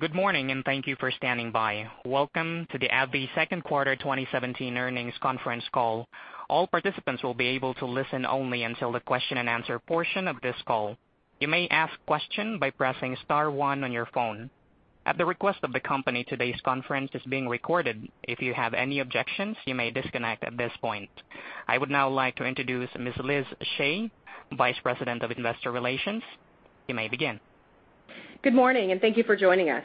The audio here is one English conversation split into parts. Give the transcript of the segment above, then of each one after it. Good morning, and thank you for standing by. Welcome to the AbbVie Second Quarter 2017 Earnings Conference Call. All participants will be able to listen only until the question and answer portion of this call. You may ask questions by pressing star 1 on your phone. At the request of the company, today's conference is being recorded. If you have any objections, you may disconnect at this point. I would now like to introduce Ms. Liz Shea, Vice President of Investor Relations. You may begin. Good morning, and thank you for joining us.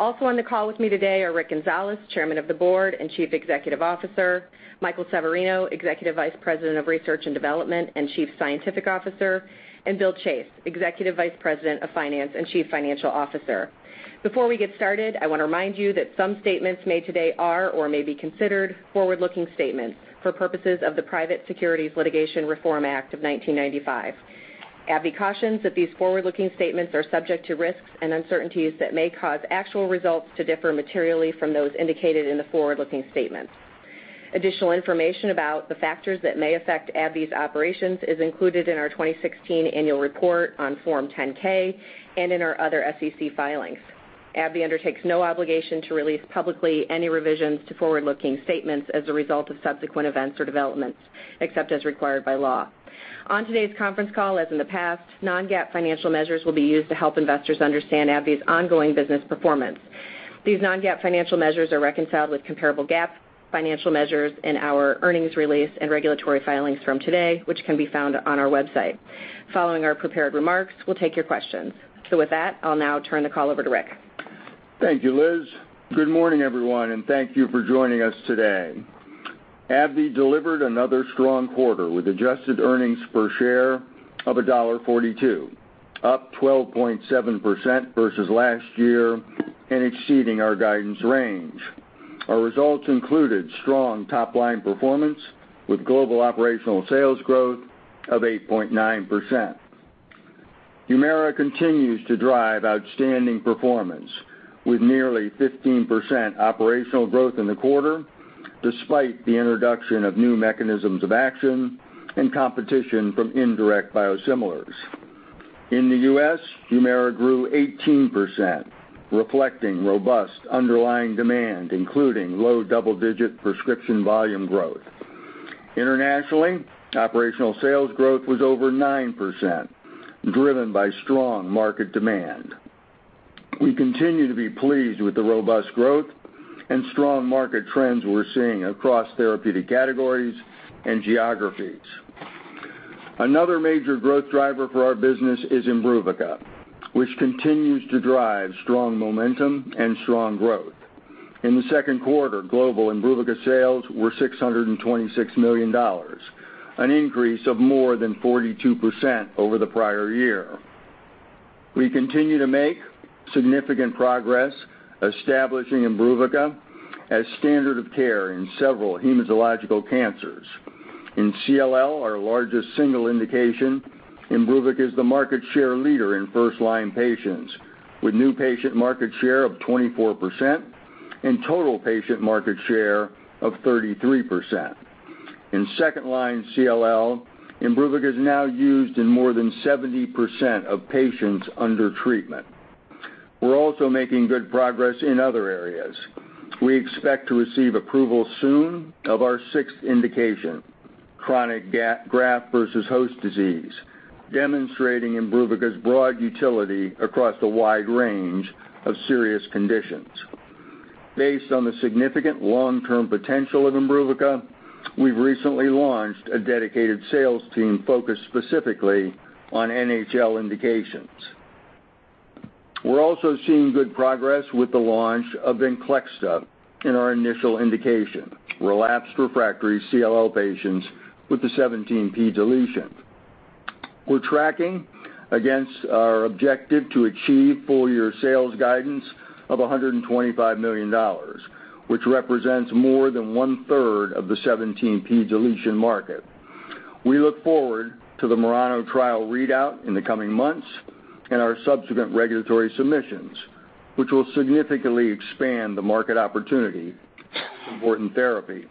Also on the call with me today are Rick Gonzalez, Chairman of the Board and Chief Executive Officer, Michael Severino, Executive Vice President of R&D and Chief Scientific Officer, and Bill Chase, Executive Vice President of Finance and Chief Financial Officer. Before we get started, I want to remind you that some statements made today are or may be considered forward-looking statements for purposes of the Private Securities Litigation Reform Act of 1995. AbbVie cautions that these forward-looking statements are subject to risks and uncertainties that may cause actual results to differ materially from those indicated in the forward-looking statements. Additional information about the factors that may affect AbbVie's operations is included in our 2016 annual report on Form 10-K and in our other SEC filings. AbbVie undertakes no obligation to release publicly any revisions to forward-looking statements as a result of subsequent events or developments, except as required by law. On today's conference call, as in the past, non-GAAP financial measures will be used to help investors understand AbbVie's ongoing business performance. These non-GAAP financial measures are reconciled with comparable GAAP financial measures in our earnings release and regulatory filings from today, which can be found on our website. Following our prepared remarks, we'll take your questions. With that, I'll now turn the call over to Rick. Thank you, Liz. Good morning, everyone, and thank you for joining us today. AbbVie delivered another strong quarter, with adjusted EPS of $1.42, up 12.7% versus last year and exceeding our guidance range. Our results included strong top-line performance, with global operational sales growth of 8.9%. HUMIRA continues to drive outstanding performance, with nearly 15% operational growth in the quarter, despite the introduction of new mechanisms of action and competition from indirect biosimilars. In the U.S., HUMIRA grew 18%, reflecting robust underlying demand, including low double-digit prescription volume growth. Internationally, operational sales growth was over 9%, driven by strong market demand. We continue to be pleased with the robust growth and strong market trends we're seeing across therapeutic categories and geographies. Another major growth driver for our business is IMBRUVICA, which continues to drive strong momentum and strong growth. In the second quarter, global IMBRUVICA sales were $626 million, an increase of more than 42% over the prior year. We continue to make significant progress establishing IMBRUVICA as standard of care in several hematological cancers. In CLL, our largest single indication, IMBRUVICA is the market share leader in first-line patients, with new patient market share of 24% and total patient market share of 33%. In second-line CLL, IMBRUVICA is now used in more than 70% of patients under treatment. We're also making good progress in other areas. We expect to receive approval soon of our sixth indication, chronic graft versus host disease, demonstrating IMBRUVICA's broad utility across a wide range of serious conditions. Based on the significant long-term potential of IMBRUVICA, we've recently launched a dedicated sales team focused specifically on NHL indications. We're also seeing good progress with the launch of VENCLEXTA in our initial indication, relapsed/refractory CLL patients with the 17p deletion. We're tracking against our objective to achieve full-year sales guidance of $125 million, which represents more than 1/3 of the 17p deletion market. We look forward to the MURANO trial readout in the coming months and our subsequent regulatory submissions, which will significantly expand the market opportunity for this important therapy.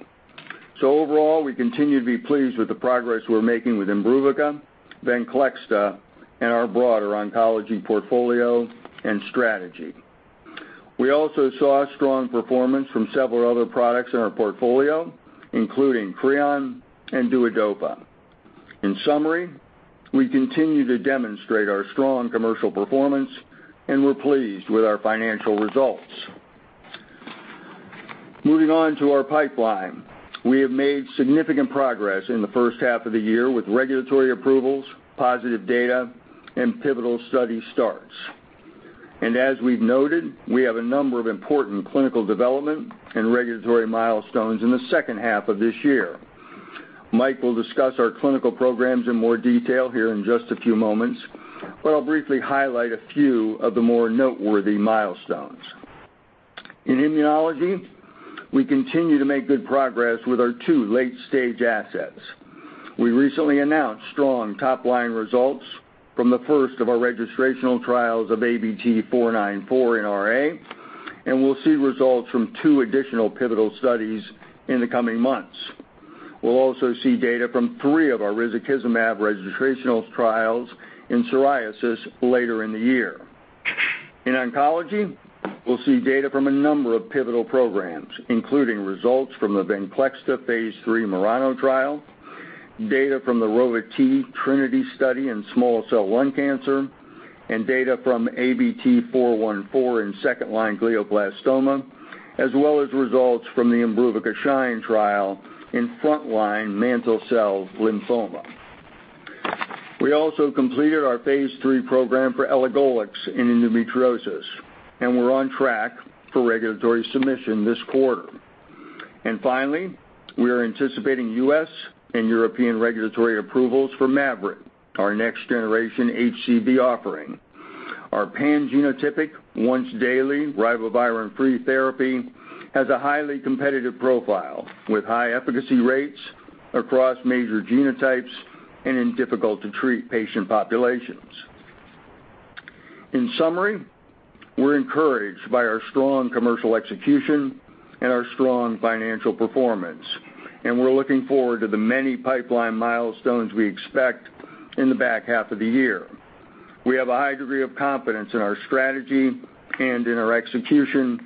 Overall, we continue to be pleased with the progress we're making with IMBRUVICA, VENCLEXTA, and our broader oncology portfolio and strategy. We also saw strong performance from several other products in our portfolio, including CREON and DUODOPA. In summary, we continue to demonstrate our strong commercial performance, and we're pleased with our financial results. Moving on to our pipeline. We have made significant progress in the first half of the year with regulatory approvals, positive data, and pivotal study starts. As we've noted, we have a number of important clinical development and regulatory milestones in the second half of this year. Mike will discuss our clinical programs in more detail here in just a few moments, but I'll briefly highlight a few of the more noteworthy milestones. In immunology, we continue to make good progress with our two late-stage assets. We recently announced strong top-line results from the first of our registrational trials of ABT-494 in RA, and we'll see results from two additional pivotal studies in the coming months. We'll also see data from three of our risankizumab registrational trials in psoriasis later in the year. In oncology, we'll see data from a number of pivotal programs, including results from the VENCLEXTA phase III MURANO trial, data from the Rova-T TRINITY study in small cell lung cancer, and data from ABT-414 in second-line glioblastoma, as well as results from the IMBRUVICA SHINE trial in front-line mantle cell lymphoma. We also completed our phase III program for elagolix in endometriosis, and we're on track for regulatory submission this quarter. Finally, we are anticipating U.S. and European regulatory approvals for MAVYRET, our next-generation HCV offering. Our pan-genotypic once-daily ribavirin-free therapy has a highly competitive profile, with high efficacy rates across major genotypes and in difficult-to-treat patient populations. In summary, we're encouraged by our strong commercial execution and our strong financial performance, and we're looking forward to the many pipeline milestones we expect in the back half of the year. We have a high degree of confidence in our strategy and in our execution,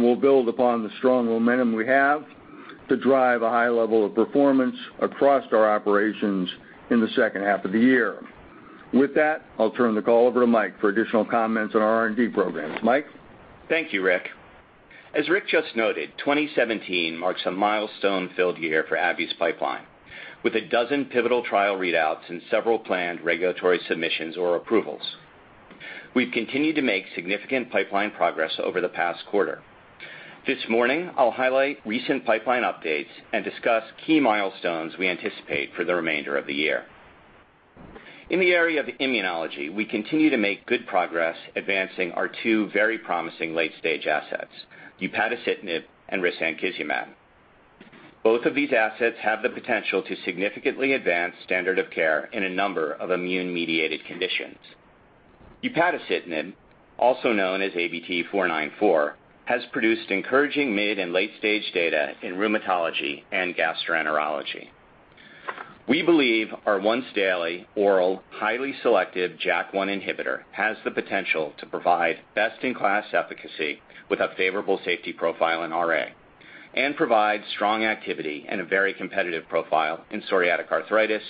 we'll build upon the strong momentum we have to drive a high level of performance across our operations in the second half of the year. With that, I'll turn the call over to Mike for additional comments on our R&D programs. Mike? Thank you, Rick. As Rick just noted, 2017 marks a milestone-filled year for AbbVie's pipeline, with 12 pivotal trial readouts and several planned regulatory submissions or approvals. We've continued to make significant pipeline progress over the past quarter. This morning, I'll highlight recent pipeline updates and discuss key milestones we anticipate for the remainder of the year. In the area of immunology, we continue to make good progress advancing our two very promising late-stage assets, upadacitinib and risankizumab. Both of these assets have the potential to significantly advance standard of care in a number of immune-mediated conditions. Upadacitinib, also known as ABT-494, has produced encouraging mid and late-stage data in rheumatology and gastroenterology. We believe our once-daily oral highly selective JAK1 inhibitor has the potential to provide best-in-class efficacy with a favorable safety profile in RA and provide strong activity and a very competitive profile in psoriatic arthritis,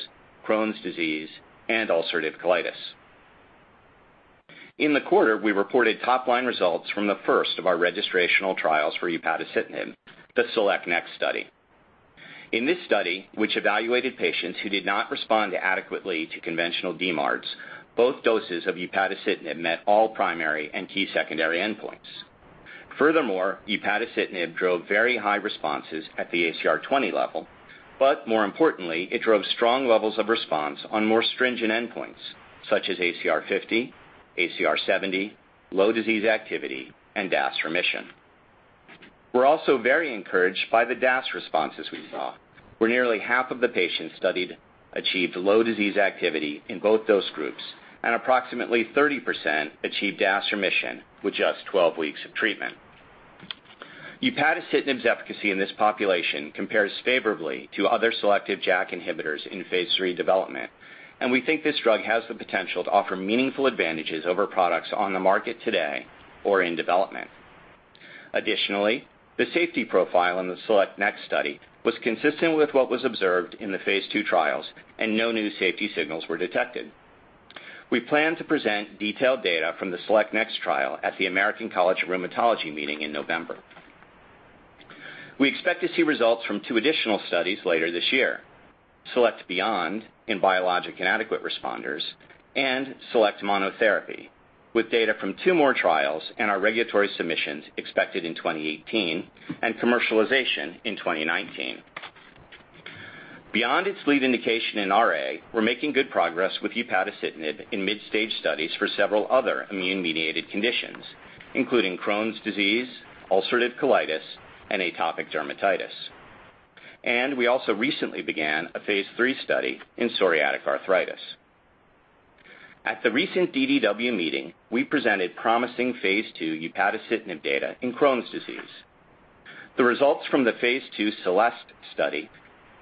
Crohn's disease, and ulcerative colitis. In the quarter, we reported top-line results from the first of our registrational trials for upadacitinib, the SELECT-NEXT study. In this study, which evaluated patients who did not respond adequately to conventional DMARDs, both doses of upadacitinib met all primary and key secondary endpoints. Furthermore, upadacitinib drove very high responses at the ACR20 level, more importantly, it drove strong levels of response on more stringent endpoints such as ACR50, ACR70, low disease activity, and DAS remission. We're also very encouraged by the DAS responses we saw, where nearly half of the patients studied achieved low disease activity in both those groups, approximately 30% achieved DAS remission with just 12 weeks of treatment. Upadacitinib's efficacy in this population compares favorably to other selective JAK inhibitors in phase III development, we think this drug has the potential to offer meaningful advantages over products on the market today or in development. Additionally, the safety profile in the SELECT-NEXT study was consistent with what was observed in the phase II trials, no new safety signals were detected. We plan to present detailed data from the SELECT-NEXT trial at the American College of Rheumatology meeting in November. We expect to see results from two additional studies later this year, SELECT-BEYOND in biologic inadequate responders, SELECT-MONOTHERAPY, with data from two more trials and our regulatory submissions expected in 2018 and commercialization in 2019. Beyond its lead indication in RA, we're making good progress with upadacitinib in mid-stage studies for several other immune-mediated conditions, including Crohn's disease, ulcerative colitis, and atopic dermatitis. We also recently began a phase III study in psoriatic arthritis. At the recent DDW meeting, we presented promising phase II upadacitinib data in Crohn's disease. The results from the phase II CELEST study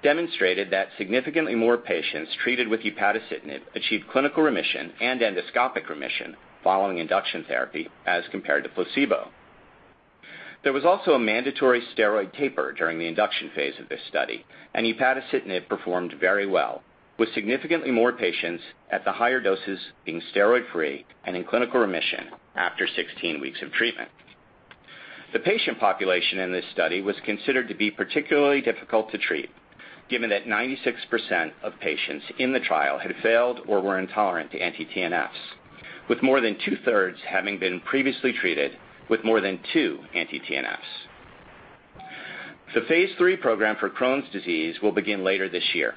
demonstrated that significantly more patients treated with upadacitinib achieved clinical remission and endoscopic remission following induction therapy as compared to placebo. There was also a mandatory steroid taper during the induction phase of this study, upadacitinib performed very well, with significantly more patients at the higher doses being steroid-free and in clinical remission after 16 weeks of treatment. The patient population in this study was considered to be particularly difficult to treat, given that 96% of patients in the trial had failed or were intolerant to anti-TNFs, with more than two-thirds having been previously treated with more than two anti-TNFs. The phase III program for Crohn's disease will begin later this year.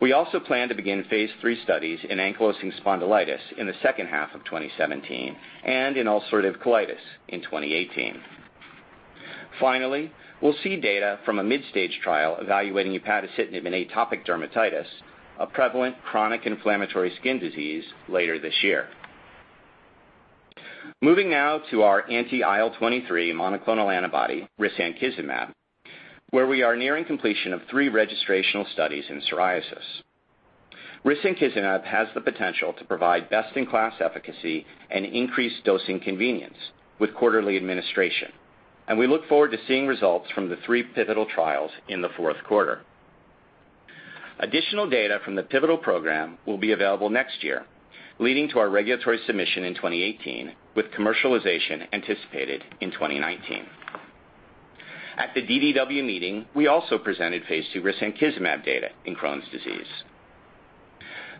We also plan to begin phase III studies in ankylosing spondylitis in the second half of 2017 and in ulcerative colitis in 2018. Finally, we'll see data from a mid-stage trial evaluating upadacitinib in atopic dermatitis, a prevalent chronic inflammatory skin disease, later this year. Moving now to our anti-IL-23 monoclonal antibody, risankizumab, where we are nearing completion of three registrational studies in psoriasis. Risankizumab has the potential to provide best-in-class efficacy and increased dosing convenience with quarterly administration, we look forward to seeing results from the three pivotal trials in the fourth quarter. Additional data from the pivotal program will be available next year, leading to our regulatory submission in 2018, with commercialization anticipated in 2019. At the DDW meeting, we also presented phase II risankizumab data in Crohn's disease.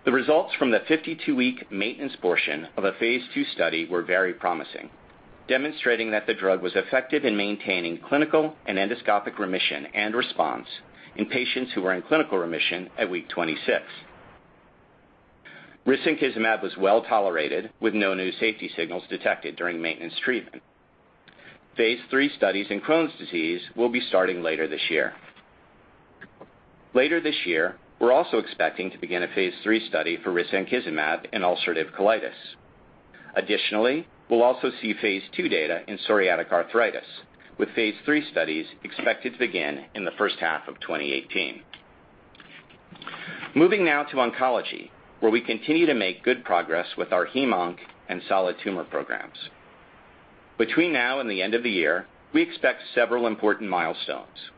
The results from the 52-week maintenance portion of a phase II study were very promising, demonstrating that the drug was effective in maintaining clinical and endoscopic remission and response in patients who were in clinical remission at week 26. Risankizumab was well-tolerated, with no new safety signals detected during maintenance treatment. Phase III studies in Crohn's disease will be starting later this year. Later this year, we're also expecting to begin a phase III study for risankizumab in ulcerative colitis. We'll also see phase II data in psoriatic arthritis, with phase III studies expected to begin in the first half of 2018. Moving now to oncology, where we continue to make good progress with our hemonc and solid tumor programs. Between now and the end of the year, we expect several important milestones.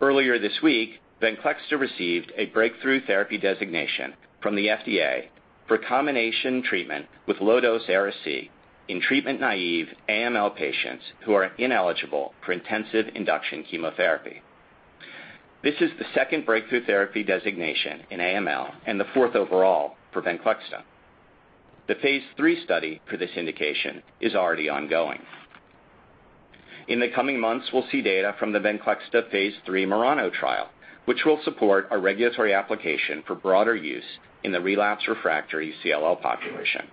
Earlier this week, VENCLEXTA received a breakthrough therapy designation from the FDA for combination treatment with low-dose Ara-C in treatment-naïve AML patients who are ineligible for intensive induction chemotherapy. This is the second breakthrough therapy designation in AML and the fourth overall for VENCLEXTA. The phase III study for this indication is already ongoing. In the coming months, we'll see data from the VENCLEXTA phase III MURANO trial, which will support a regulatory application for broader use in the relapsed/refractory CLL population.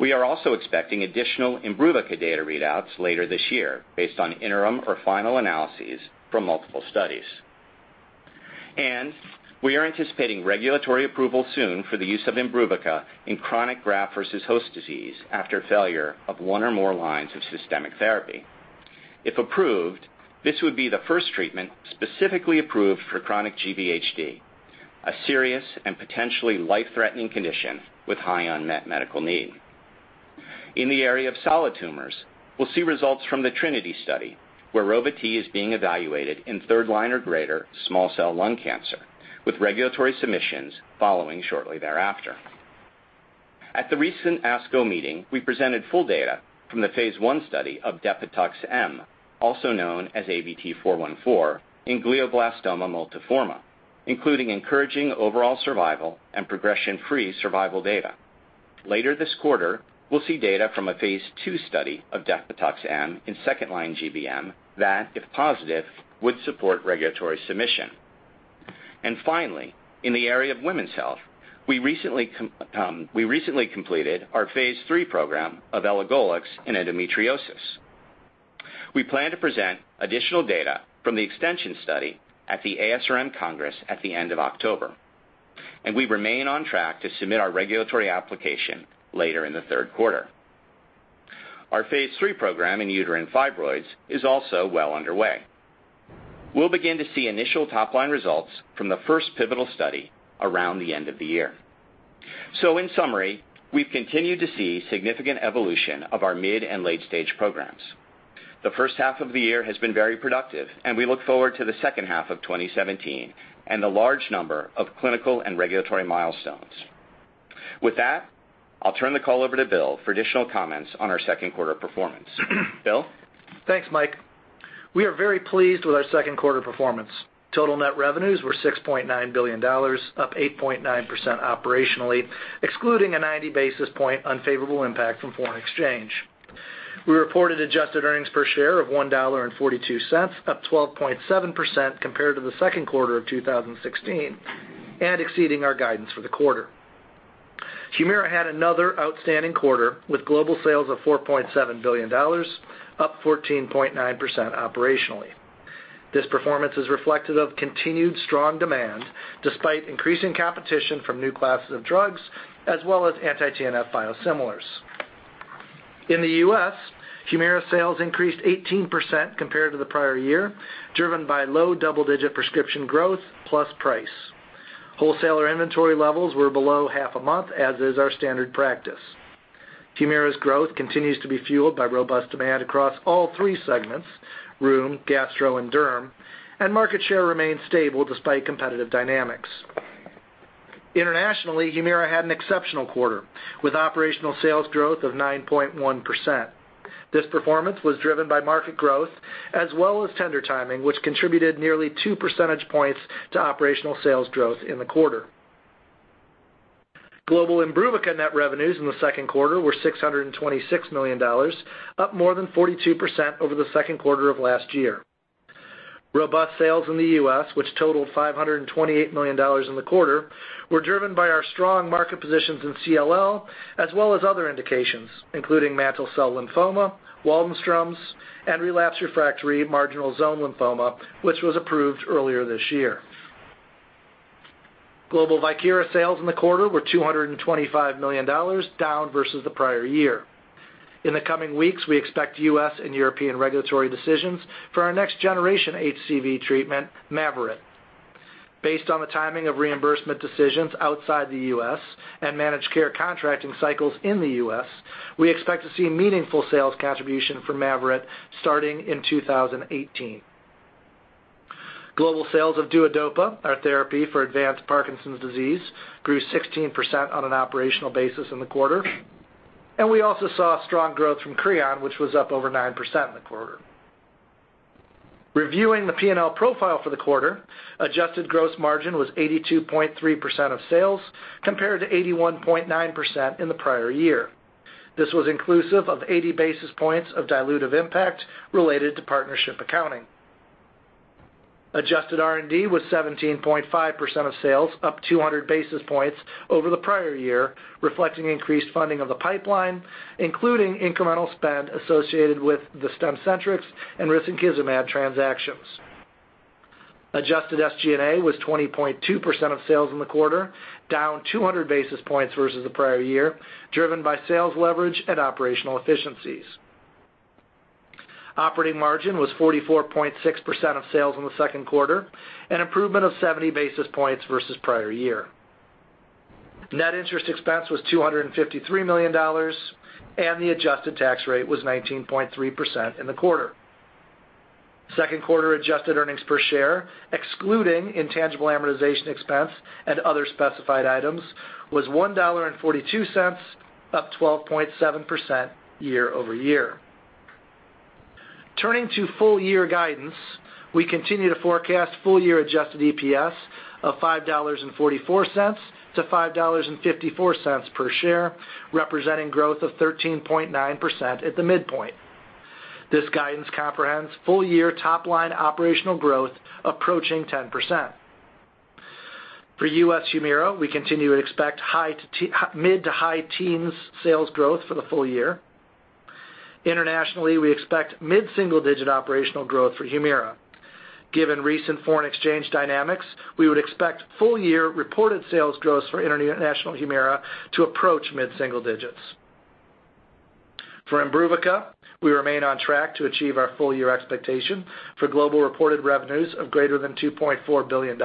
We are also expecting additional IMBRUVICA data readouts later this year based on interim or final analyses from multiple studies. We are anticipating regulatory approval soon for the use of IMBRUVICA in chronic graft-versus-host disease after failure of one or more lines of systemic therapy. If approved, this would be the first treatment specifically approved for chronic GVHD, a serious and potentially life-threatening condition with high unmet medical need. In the area of solid tumors, we'll see results from the TRINITY study, where Rova-T is being evaluated in third-line or greater small cell lung cancer, with regulatory submissions following shortly thereafter. At the recent ASCO meeting, we presented full data from the phase I study of Depatux-M, also known as ABT-414, in glioblastoma multiforme, including encouraging overall survival and progression-free survival data. Later this quarter, we'll see data from a phase II study of Depatux-M in second-line GBM that, if positive, would support regulatory submission. Finally, in the area of women's health, we recently completed our phase III program of elagolix in endometriosis. We plan to present additional data from the extension study at the ASRM Congress at the end of October, and we remain on track to submit our regulatory application later in the third quarter. Our phase III program in uterine fibroids is also well underway. We'll begin to see initial top-line results from the first pivotal study around the end of the year. In summary, we've continued to see significant evolution of our mid- and late-stage programs. The first half of the year has been very productive, and we look forward to the second half of 2017 and the large number of clinical and regulatory milestones. With that, I'll turn the call over to Bill for additional comments on our second quarter performance. Bill? Thanks, Mike. We are very pleased with our second quarter performance. Total net revenues were $6.9 billion, up 8.9% operationally, excluding a 90-basis point unfavorable impact from foreign exchange. We reported adjusted earnings per share of $1.42, up 12.7% compared to the second quarter of 2016 and exceeding our guidance for the quarter. HUMIRA had another outstanding quarter with global sales of $4.7 billion, up 14.9% operationally. This performance is reflective of continued strong demand despite increasing competition from new classes of drugs as well as anti-TNF biosimilars. In the U.S., HUMIRA sales increased 18% compared to the prior year, driven by low double-digit prescription growth plus price. Wholesaler inventory levels were below half a month, as is our standard practice. HUMIRA's growth continues to be fueled by robust demand across all three segments, rheum, gastro, and derm, and market share remains stable despite competitive dynamics. Internationally, HUMIRA had an exceptional quarter, with operational sales growth of 9.1%. This performance was driven by market growth as well as tender timing, which contributed nearly two percentage points to operational sales growth in the quarter. Global IMBRUVICA net revenues in the second quarter were $626 million, up more than 42% over the second quarter of last year. Robust sales in the U.S., which totaled $528 million in the quarter, were driven by our strong market positions in CLL as well as other indications, including mantle cell lymphoma, Waldenstrom's, and relapse refractory marginal zone lymphoma, which was approved earlier this year. Global VIEKIRA sales in the quarter were $225 million, down versus the prior year. In the coming weeks, we expect U.S. and European regulatory decisions for our next generation HCV treatment, MAVYRET. Based on the timing of reimbursement decisions outside the U.S. and managed care contracting cycles in the U.S., we expect to see meaningful sales contribution from MAVYRET starting in 2018. Global sales of DUODOPA, our therapy for advanced Parkinson's disease, grew 16% on an operational basis in the quarter. We also saw strong growth from CREON, which was up over 9% in the quarter. Reviewing the P&L profile for the quarter, adjusted gross margin was 82.3% of sales, compared to 81.9% in the prior year. This was inclusive of 80 basis points of dilutive impact related to partnership accounting. Adjusted R&D was 17.5% of sales, up 200 basis points over the prior year, reflecting increased funding of the pipeline, including incremental spend associated with the Stemcentrx and risankizumab transactions. Adjusted SG&A was 20.2% of sales in the quarter, down 200 basis points versus the prior year, driven by sales leverage and operational efficiencies. Operating margin was 44.6% of sales in the second quarter, an improvement of 70 basis points versus prior year. Net interest expense was $253 million, and the adjusted tax rate was 19.3% in the quarter. Second quarter adjusted earnings per share, excluding intangible amortization expense and other specified items, was $1.42, up 12.7% year-over-year. Turning to full year guidance, we continue to forecast full year adjusted EPS of $5.44-$5.54 per share, representing growth of 13.9% at the midpoint. This guidance comprehends full year top line operational growth approaching 10%. For U.S. HUMIRA, we continue to expect mid to high teens sales growth for the full year. Internationally, we expect mid-single digit operational growth for HUMIRA. Given recent foreign exchange dynamics, we would expect full year reported sales growth for international HUMIRA to approach mid-single digits. For IMBRUVICA, we remain on track to achieve our full year expectation for global reported revenues of greater than $2.4 billion,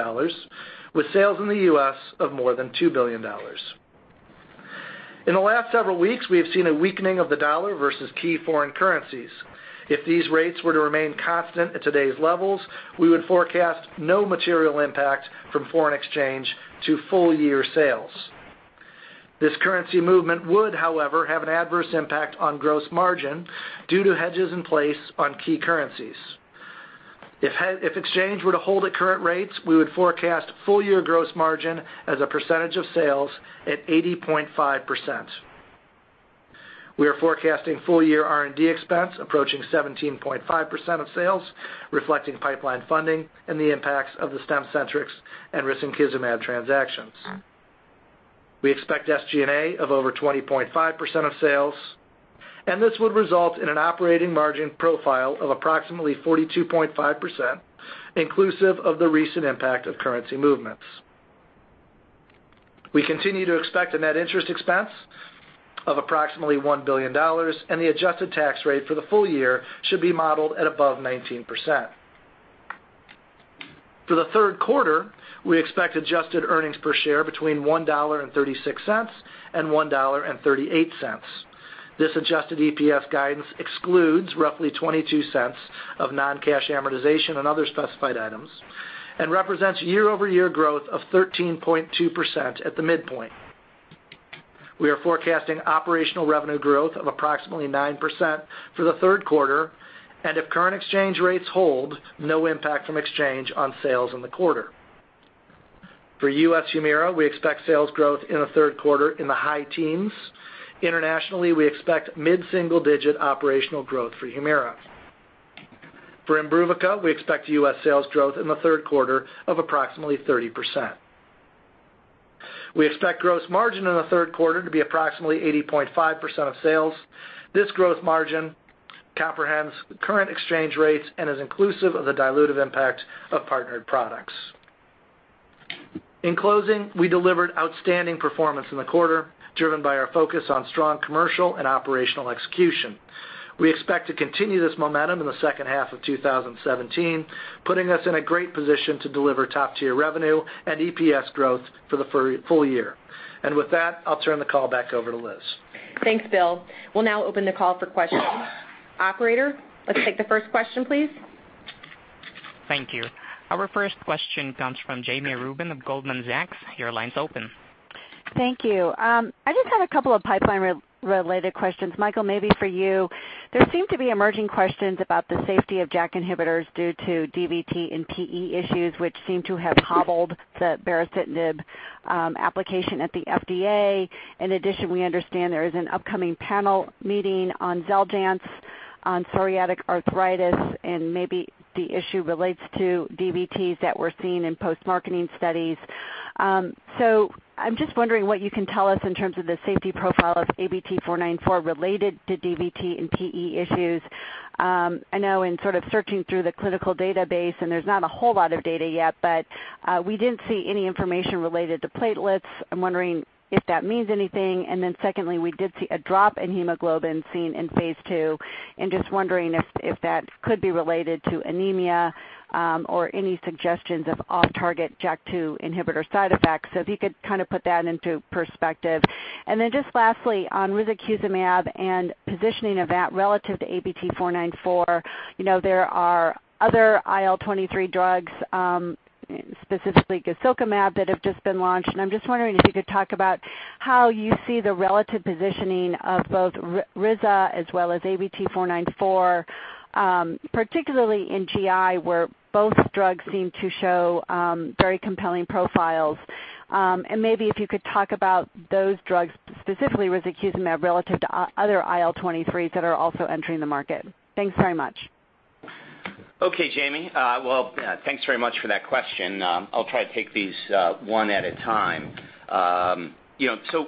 with sales in the U.S. of more than $2 billion. In the last several weeks, we have seen a weakening of the dollar versus key foreign currencies. If these rates were to remain constant at today's levels, we would forecast no material impact from foreign exchange to full year sales. This currency movement would, however, have an adverse impact on gross margin due to hedges in place on key currencies. If exchange were to hold at current rates, we would forecast full year gross margin as a percentage of sales at 80.5%. We are forecasting full year R&D expense approaching 17.5% of sales, reflecting pipeline funding and the impacts of the Stemcentrx and risankizumab transactions. We expect SG&A of over 20.5% of sales. This would result in an operating margin profile of approximately 42.5%, inclusive of the recent impact of currency movements. We continue to expect a net interest expense of approximately $1 billion. The adjusted tax rate for the full year should be modeled at above 19%. For the third quarter, we expect adjusted earnings per share between $1.36 and $1.38. This adjusted EPS guidance excludes roughly $0.22 of non-cash amortization and other specified items and represents year-over-year growth of 13.2% at the midpoint. We are forecasting operational revenue growth of approximately 9% for the third quarter. If current exchange rates hold, no impact from exchange on sales in the quarter. For U.S. HUMIRA, we expect sales growth in the third quarter in the high teens. Internationally, we expect mid-single digit operational growth for HUMIRA. For IMBRUVICA, we expect U.S. sales growth in the third quarter of approximately 30%. We expect gross margin in the third quarter to be approximately 80.5% of sales. This gross margin comprehends current exchange rates and is inclusive of the dilutive impact of partnered products. In closing, we delivered outstanding performance in the quarter, driven by our focus on strong commercial and operational execution. We expect to continue this momentum in the second half of 2017, putting us in a great position to deliver top-tier revenue and EPS growth for the full year. With that, I'll turn the call back over to Liz. Thanks, Bill. We'll now open the call for questions. Operator, let's take the first question, please. Thank you. Our first question comes from Jami Rubin of Goldman Sachs. Your line's open. Thank you. I just had a couple of pipeline-related questions. Michael, maybe for you. There seem to be emerging questions about the safety of JAK inhibitors due to DVT and PE issues, which seem to have hobbled the baricitinib application at the FDA. In addition, we understand there is an upcoming panel meeting on Xeljanz on psoriatic arthritis, and maybe the issue relates to DVTs that were seen in post-marketing studies. I'm just wondering what you can tell us in terms of the safety profile of ABT-494 related to DVT and PE issues. I know in sort of searching through the clinical database, and there's not a whole lot of data yet, but we didn't see any information related to platelets. I'm wondering if that means anything. Secondly, we did see a drop in hemoglobin seen in phase II, and just wondering if that could be related to anemia, or any suggestions of off-target JAK2 inhibitor side effects. If you could kind of put that into perspective. Just lastly, on risankizumab and positioning of that relative to ABT-494. There are other IL-23 drugs, specifically guselkumab, that have just been launched, and I'm just wondering if you could talk about how you see the relative positioning of both Risa as well as ABT-494, particularly in GI, where both drugs seem to show very compelling profiles. Maybe if you could talk about those drugs, specifically risankizumab relative to other IL-23s that are also entering the market. Thanks very much. Okay, Jami. Well, thanks very much for that question. I'll try to take these one at a time.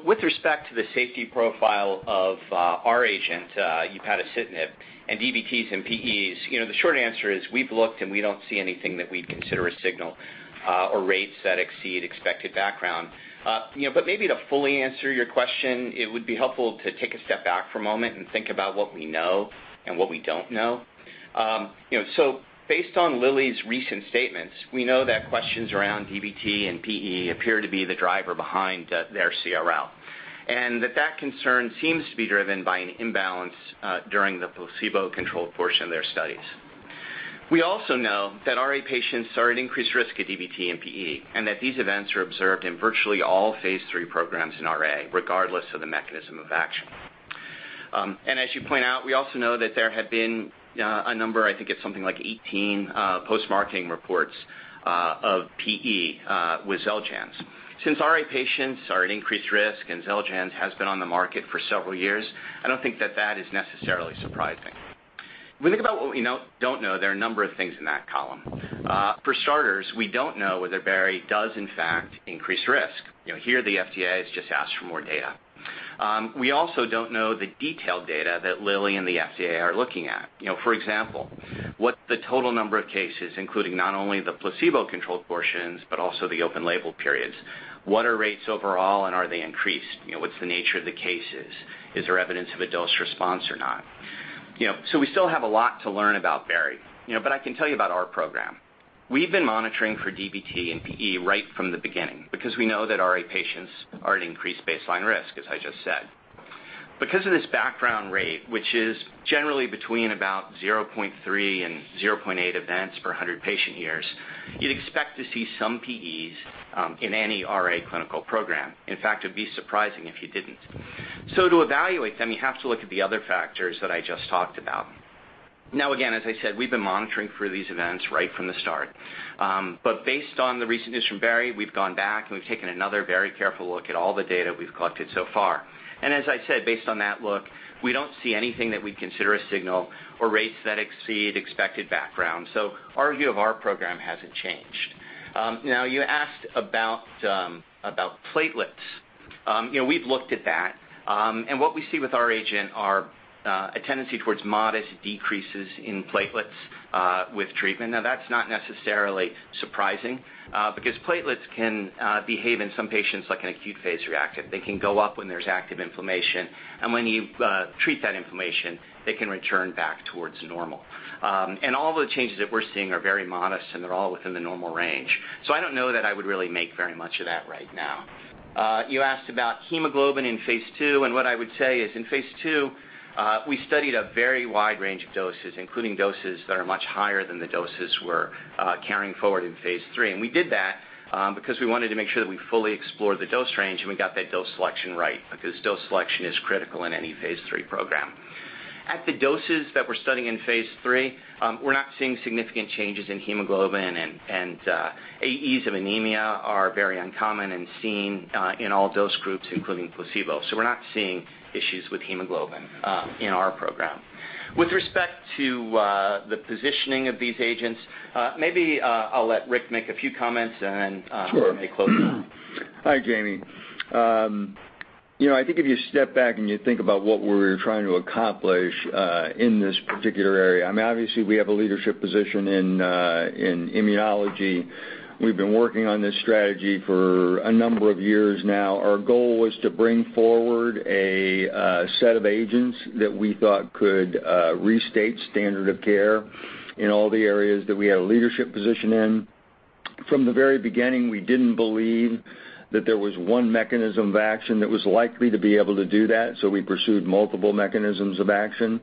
With respect to the safety profile of our agent upadacitinib, and DVT and PEs, the short answer is we've looked, and we don't see anything that we'd consider a signal or rates that exceed expected background. Maybe to fully answer your question, it would be helpful to take a step back for a moment and think about what we know and what we don't know. Based on Lilly's recent statements, we know that questions around DVT and PE appear to be the driver behind their CRL, and that concern seems to be driven by an imbalance during the placebo-controlled portion of their studies. We also know that RA patients are at increased risk of DVT and PE, and that these events are observed in virtually all phase III programs in RA, regardless of the mechanism of action. As you point out, we also know that there have been a number, I think it's something like 18 post-marketing reports of PE with Xeljanz. Since RA patients are at increased risk and Xeljanz has been on the market for several years, I don't think that that is necessarily surprising. If we think about what we don't know, there are a number of things in that column. For starters, we don't know whether baricitinib does in fact increase risk. Here, the FDA has just asked for more data. We also don't know the detailed data that Lilly and the FDA are looking at. For example, what the total number of cases, including not only the placebo-controlled portions, but also the open label periods. What are rates overall and are they increased? What's the nature of the cases? Is there evidence of a dose response or not? We still have a lot to learn about baricitinib. I can tell you about our program. We've been monitoring for DVT and PE right from the beginning because we know that RA patients are at increased baseline risk, as I just said. Because of this background rate, which is generally between about 0.3 and 0.8 events per 100 patient years, you'd expect to see some PEs in any RA clinical program. In fact, it'd be surprising if you didn't. To evaluate them, you have to look at the other factors that I just talked about. Again, as I said, we've been monitoring for these events right from the start. Based on the recent news from baricitinib, we've gone back, and we've taken another very careful look at all the data we've collected so far. As I said, based on that look, we don't see anything that we'd consider a signal or rates that exceed expected background. Our view of our program hasn't changed. You asked about platelets. We've looked at that. What we see with our agent are a tendency towards modest decreases in platelets with treatment. That's not necessarily surprising, because platelets can behave in some patients like an acute phase reactant. They can go up when there's active inflammation, and when you treat that inflammation, they can return back towards normal. All the changes that we're seeing are very modest, and they're all within the normal range. I don't know that I would really make very much of that right now. You asked about hemoglobin in phase II, what I would say is in phase II, we studied a very wide range of doses, including doses that are much higher than the doses we're carrying forward in phase III. We did that because we wanted to make sure that we fully explored the dose range, and we got that dose selection right, because dose selection is critical in any phase III program. At the doses that we're studying in phase III, we're not seeing significant changes in hemoglobin, and AEs of anemia are very uncommon and seen in all dose groups, including placebo. We're not seeing issues with hemoglobin in our program. With respect to the positioning of these agents, maybe I'll let Rick make a few comments, and then. Sure I may close out. Hi, Jami. I think if you step back and you think about what we're trying to accomplish in this particular area, obviously we have a leadership position in immunology. We've been working on this strategy for a number of years now. Our goal was to bring forward a set of agents that we thought could restate standard of care in all the areas that we had a leadership position in. From the very beginning, we didn't believe that there was one mechanism of action that was likely to be able to do that, so we pursued multiple mechanisms of action.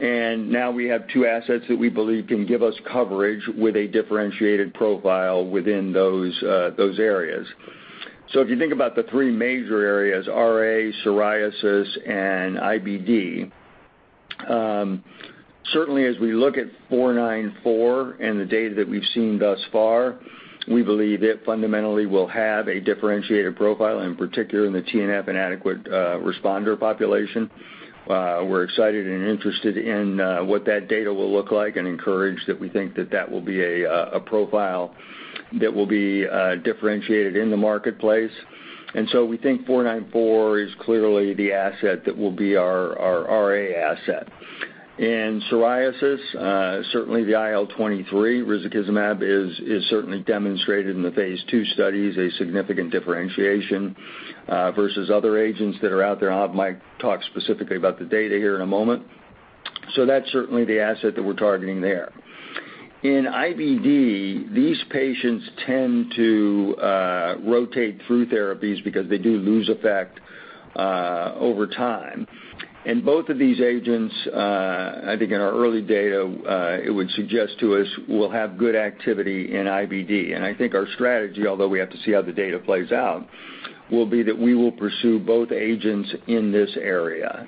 Now we have two assets that we believe can give us coverage with a differentiated profile within those areas. If you think about the three major areas, RA, psoriasis, and IBD, certainly as we look at 494 and the data that we've seen thus far, we believe it fundamentally will have a differentiated profile, in particular in the TNF-inadequate responder population. We're excited and interested in what that data will look like and encouraged that we think that that will be a profile that will be differentiated in the marketplace. We think 494 is clearly the asset that will be our RA asset. In psoriasis, certainly the IL-23, risankizumab, is certainly demonstrated in the phase II studies, a significant differentiation versus other agents that are out there. I'll have Mike talk specifically about the data here in a moment. That's certainly the asset that we're targeting there. In IBD, these patients tend to rotate through therapies because they do lose effect over time. Both of these agents, I think in our early data, it would suggest to us will have good activity in IBD. I think our strategy, although we have to see how the data plays out, will be that we will pursue both agents in this area.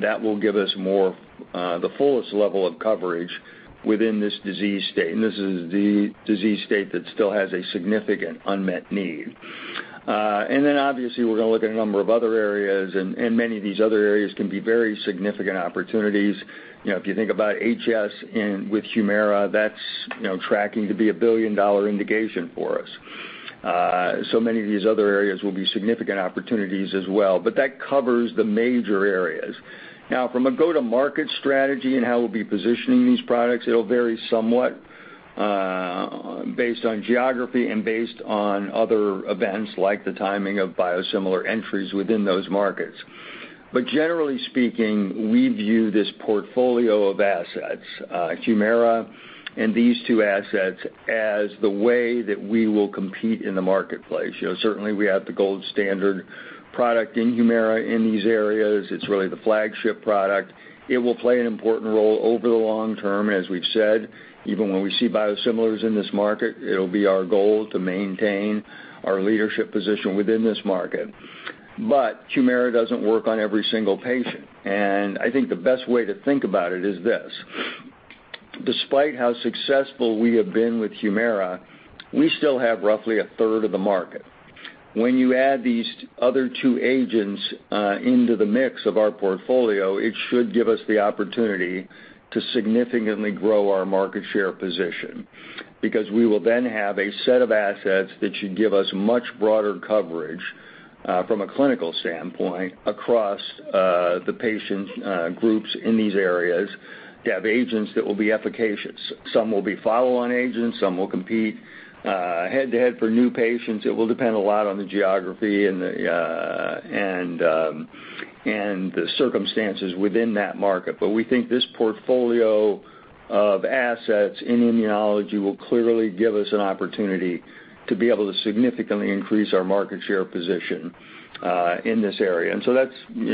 That will give us the fullest level of coverage within this disease state. This is the disease state that still has a significant unmet need. Obviously, we're going to look at a number of other areas, and many of these other areas can be very significant opportunities. If you think about HS and with HUMIRA, that's tracking to be a billion-dollar indication for us. Many of these other areas will be significant opportunities as well, but that covers the major areas. From a go-to-market strategy and how we'll be positioning these products, it'll vary somewhat based on geography and based on other events like the timing of biosimilar entries within those markets. Generally speaking, we view this portfolio of assets, HUMIRA and these two assets, as the way that we will compete in the marketplace. Certainly, we have the gold standard product in HUMIRA in these areas. It's really the flagship product. It will play an important role over the long term, as we've said. Even when we see biosimilars in this market, it'll be our goal to maintain our leadership position within this market. HUMIRA doesn't work on every single patient, and I think the best way to think about it is this. Despite how successful we have been with HUMIRA, we still have roughly a third of the market. When you add these other two agents into the mix of our portfolio, it should give us the opportunity to significantly grow our market share position. We will then have a set of assets that should give us much broader coverage, from a clinical standpoint, across the patient groups in these areas to have agents that will be efficacious. Some will be follow-on agents; some will compete head-to-head for new patients. It will depend a lot on the geography and the circumstances within that market. We think this portfolio of assets in immunology will clearly give us an opportunity to be able to significantly increase our market share position in this area.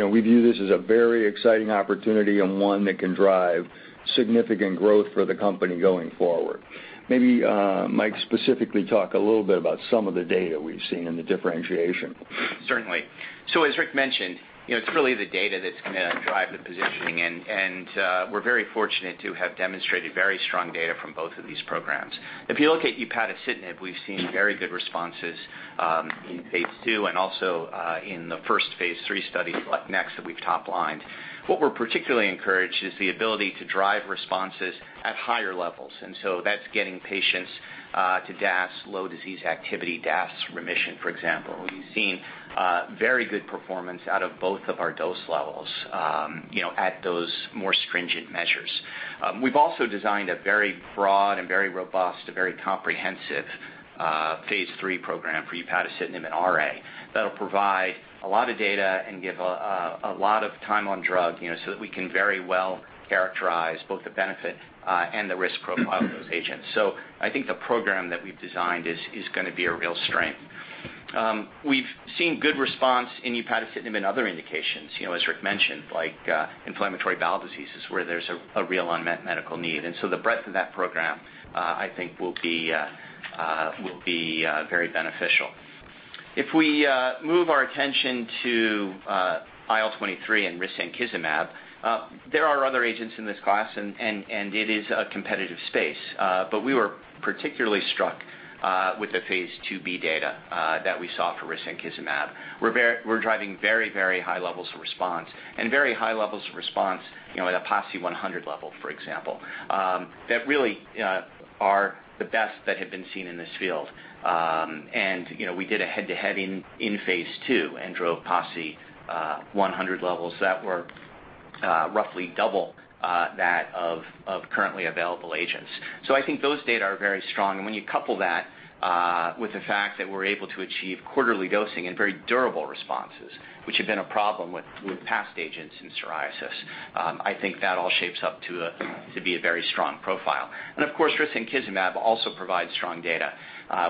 We view this as a very exciting opportunity and one that can drive significant growth for the company going forward. Maybe Mike, specifically talk a little bit about some of the data we've seen and the differentiation. Certainly. As Rick mentioned, it's really the data that's going to drive the positioning, and we're very fortunate to have demonstrated very strong data from both of these programs. If you look at upadacitinib, we've seen very good responses in phase II and also in the first phase III study, NEXT, that we've top-lined. What we're particularly encouraged is the ability to drive responses at higher levels, and that's getting patients to DAS, low disease activity, DAS remission, for example. We've seen very good performance out of both of our dose levels at those more stringent measures. We've also designed a very broad and very robust, a very comprehensive phase III program for upadacitinib in RA that'll provide a lot of data and give a lot of time on drug, so that we can very well characterize both the benefit and the risk profile of those agents. I think the program that we've designed is going to be a real strength. We've seen good response in upadacitinib in other indications, as Rick mentioned, like inflammatory bowel diseases, where there's a real unmet medical need. The breadth of that program, I think will be very beneficial. If we move our attention to IL-23 and risankizumab, there are other agents in this class, and it is a competitive space. We were particularly struck with the phase II-B data that we saw for risankizumab. We're driving very high levels of response and very high levels of response at a PASI 100 level, for example, that really are the best that have been seen in this field. We did a head-to-head in phase II and drove PASI 100 levels that were roughly double that of currently available agents. I think those data are very strong, when you couple that with the fact that we're able to achieve quarterly dosing and very durable responses, which have been a problem with past agents in psoriasis, I think that all shapes up to be a very strong profile. Of course, risankizumab also provides strong data.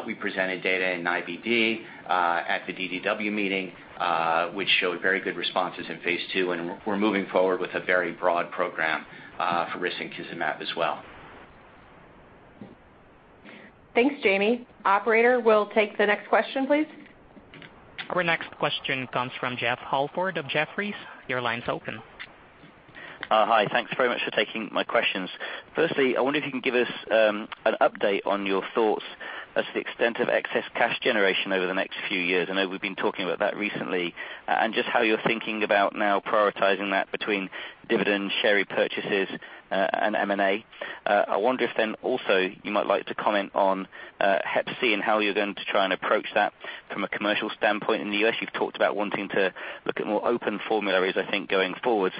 We presented data in IBD at the DDW meeting, which showed very good responses in phase II, and we're moving forward with a very broad program for risankizumab as well. Thanks, Jami. Operator, we'll take the next question, please. Our next question comes from Jeffrey Holford of Jefferies. Your line's open. Thanks very much for taking my questions. I wonder if you can give us an update on your thoughts as to the extent of excess cash generation over the next four years. I know we've been talking about that recently, and just how you're thinking about now prioritizing that between dividend share repurchases and M&A. I wonder if also you might like to comment on hep C and how you're going to try and approach that from a commercial standpoint in the U.S. You've talked about wanting to look at more open formularies, I think, going forward.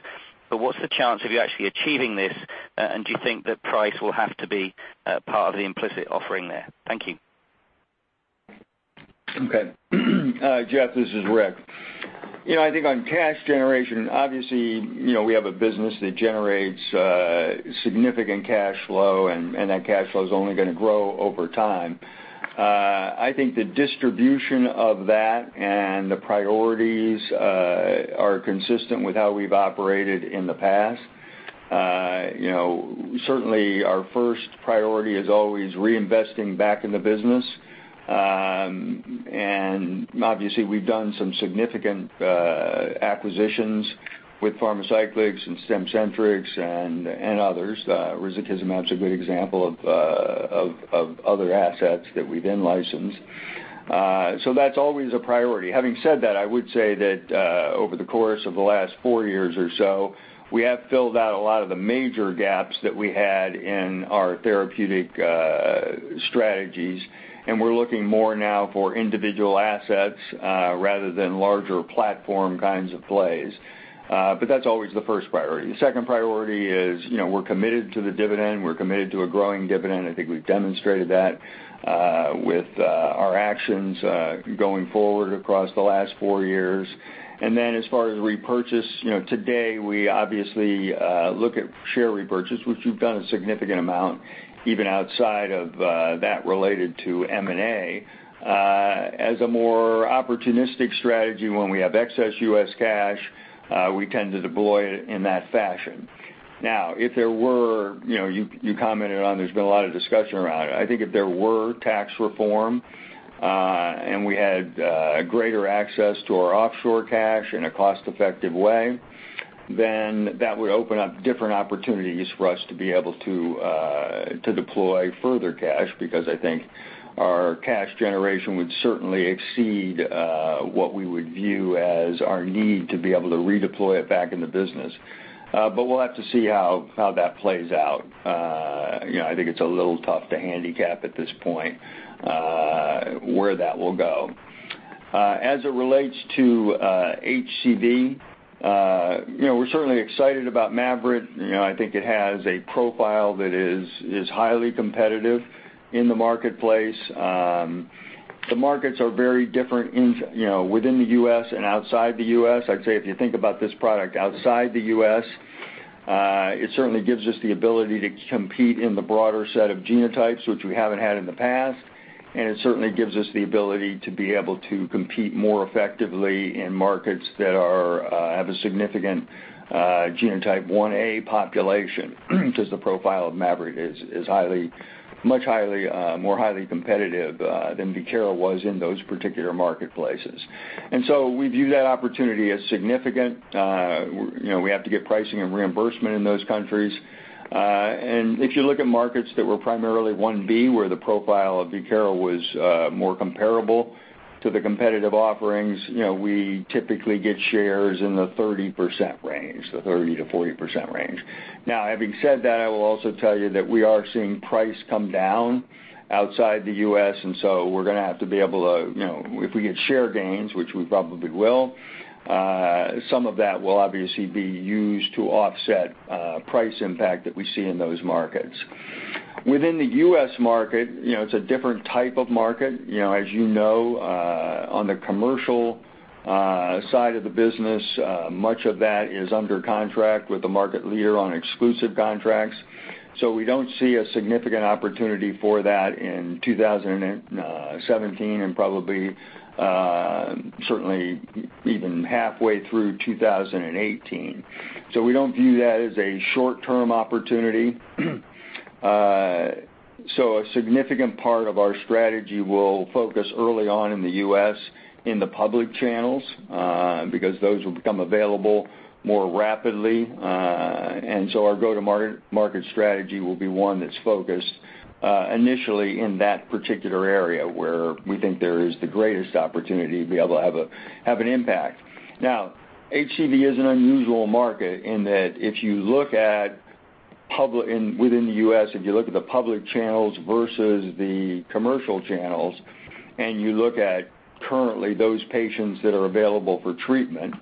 What's the chance of you actually achieving this? Do you think that price will have to be part of the implicit offering there? Thank you. Okay. Jeff, this is Rick. I think on cash generation, obviously, we have a business that generates significant cash flow, and that cash flow's only going to grow over time. I think the distribution of that and the priorities are consistent with how we've operated in the past. Certainly, our first priority is always reinvesting back in the business. Obviously, we've done some significant acquisitions with Pharmacyclics and Stemcentrx and others. rizatriptan's actually a good example of other assets that we then licensed. That's always a priority. Having said that, I would say that, over the course of the last four years or so, we have filled out a lot of the major gaps that we had in our therapeutic strategies, and we're looking more now for individual assets rather than larger platform kinds of plays. That's always the first priority. The second priority is we're committed to the dividend. We're committed to a growing dividend. I think we've demonstrated that with our actions going forward across the last four years. As far as repurchase, today, we obviously look at share repurchase, which we've done a significant amount even outside of that related to M&A as a more opportunistic strategy when we have excess U.S. cash, we tend to deploy it in that fashion. You commented on there's been a lot of discussion around it. I think if there were tax reform, we had greater access to our offshore cash in a cost-effective way, that would open up different opportunities for us to be able to deploy further cash because I think our cash generation would certainly exceed what we would view as our need to be able to redeploy it back in the business. We'll have to see how that plays out. I think it's a little tough to handicap at this point where that will go. As it relates to HCV, we're certainly excited about MAVYRET. I think it has a profile that is highly competitive in the marketplace. The markets are very different within the U.S. and outside the U.S. I'd say if you think about this product outside the U.S., it certainly gives us the ability to compete in the broader set of genotypes, which we haven't had in the past, and it certainly gives us the ability to be able to compete more effectively in markets that have a significant genotype 1a population because the profile of MAVYRET is much more highly competitive than VIEKIRA was in those particular marketplaces. We view that opportunity as significant. We have to get pricing and reimbursement in those countries. If you look at markets that were primarily 1b, where the profile of VIEKIRA was more comparable to the competitive offerings, we typically get shares in the 30% range, the 30%-40% range. Having said that, I will also tell you that we are seeing price come down outside the U.S., we're going to have to be able to if we get share gains, which we probably will, some of that will obviously be used to offset price impact that we see in those markets. Within the U.S. market, it's a different type of market. As you know, on the commercial side of the business, much of that is under contract with the market leader on exclusive contracts. We don't see a significant opportunity for that in 2017 and probably certainly even halfway through 2018. We don't view that as a short-term opportunity. A significant part of our strategy will focus early on in the U.S. in the public channels, because those will become available more rapidly. Our go-to-market strategy will be one that's focused initially in that particular area where we think there is the greatest opportunity to be able to have an impact. HCV is an unusual market in that if you look at within the U.S., if you look at the public channels versus the commercial channels, and you look at currently those patients that are available for treatment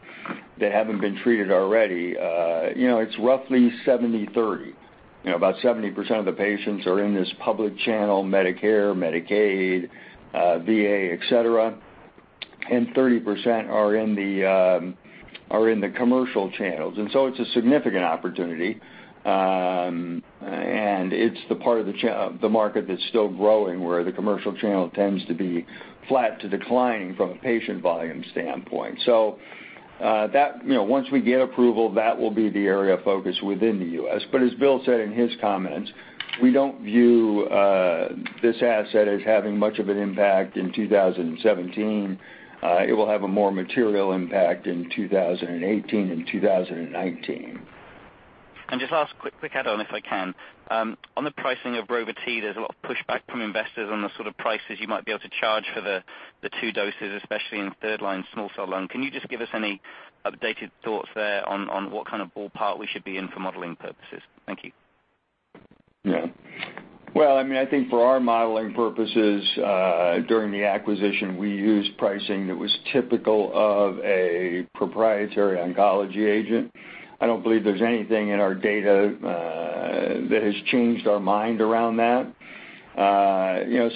that haven't been treated already, it's roughly 70/30. About 70% of the patients are in this public channel, Medicare, Medicaid, VA, et cetera, and 30% are in the commercial channels. It's a significant opportunity, and it's the part of the market that's still growing, where the commercial channel tends to be flat to declining from a patient volume standpoint. Once we get approval, that will be the area of focus within the U.S. As Bill said in his comments, we don't view this asset as having much of an impact in 2017. It will have a more material impact in 2018 and 2019. Just last quick add on if I can. On the pricing of Rova-T, there's a lot of pushback from investors on the sort of prices you might be able to charge for the two doses, especially in third-line small cell lung. Can you just give us any updated thoughts there on what kind of ballpark we should be in for modeling purposes? Thank you. Yeah. Well, I think for our modeling purposes, during the acquisition, we used pricing that was typical of a proprietary oncology agent. I don't believe there's anything in our data that has changed our mind around that.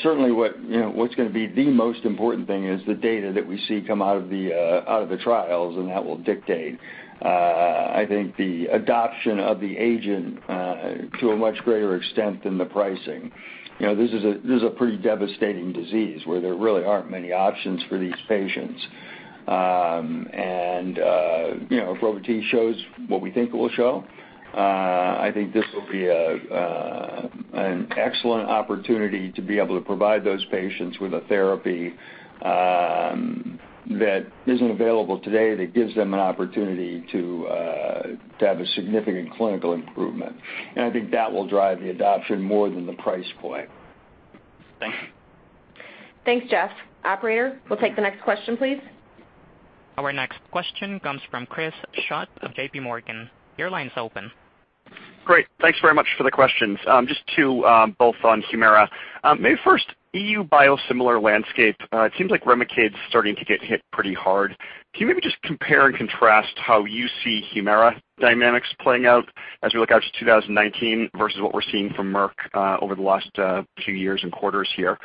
Certainly, what's going to be the most important thing is the data that we see come out of the trials, and that will dictate, I think, the adoption of the agent to a much greater extent than the pricing. This is a pretty devastating disease where there really aren't many options for these patients. If Rova-T shows what we think it will show, I think this will be an excellent opportunity to be able to provide those patients with a therapy that isn't available today, that gives them an opportunity to have a significant clinical improvement. I think that will drive the adoption more than the price point. Thanks. Thanks, Jeff. Operator, we'll take the next question, please. Our next question comes from Christopher Schott of J.P. Morgan. Your line's open. Great. Thanks very much for the questions. Just two, both on HUMIRA. First, EU biosimilar landscape. It seems like REMICADE's starting to get hit pretty hard. Can you compare and contrast how you see HUMIRA dynamics playing out as we look out to 2019 versus what we're seeing from Merck over the last few years and quarters here?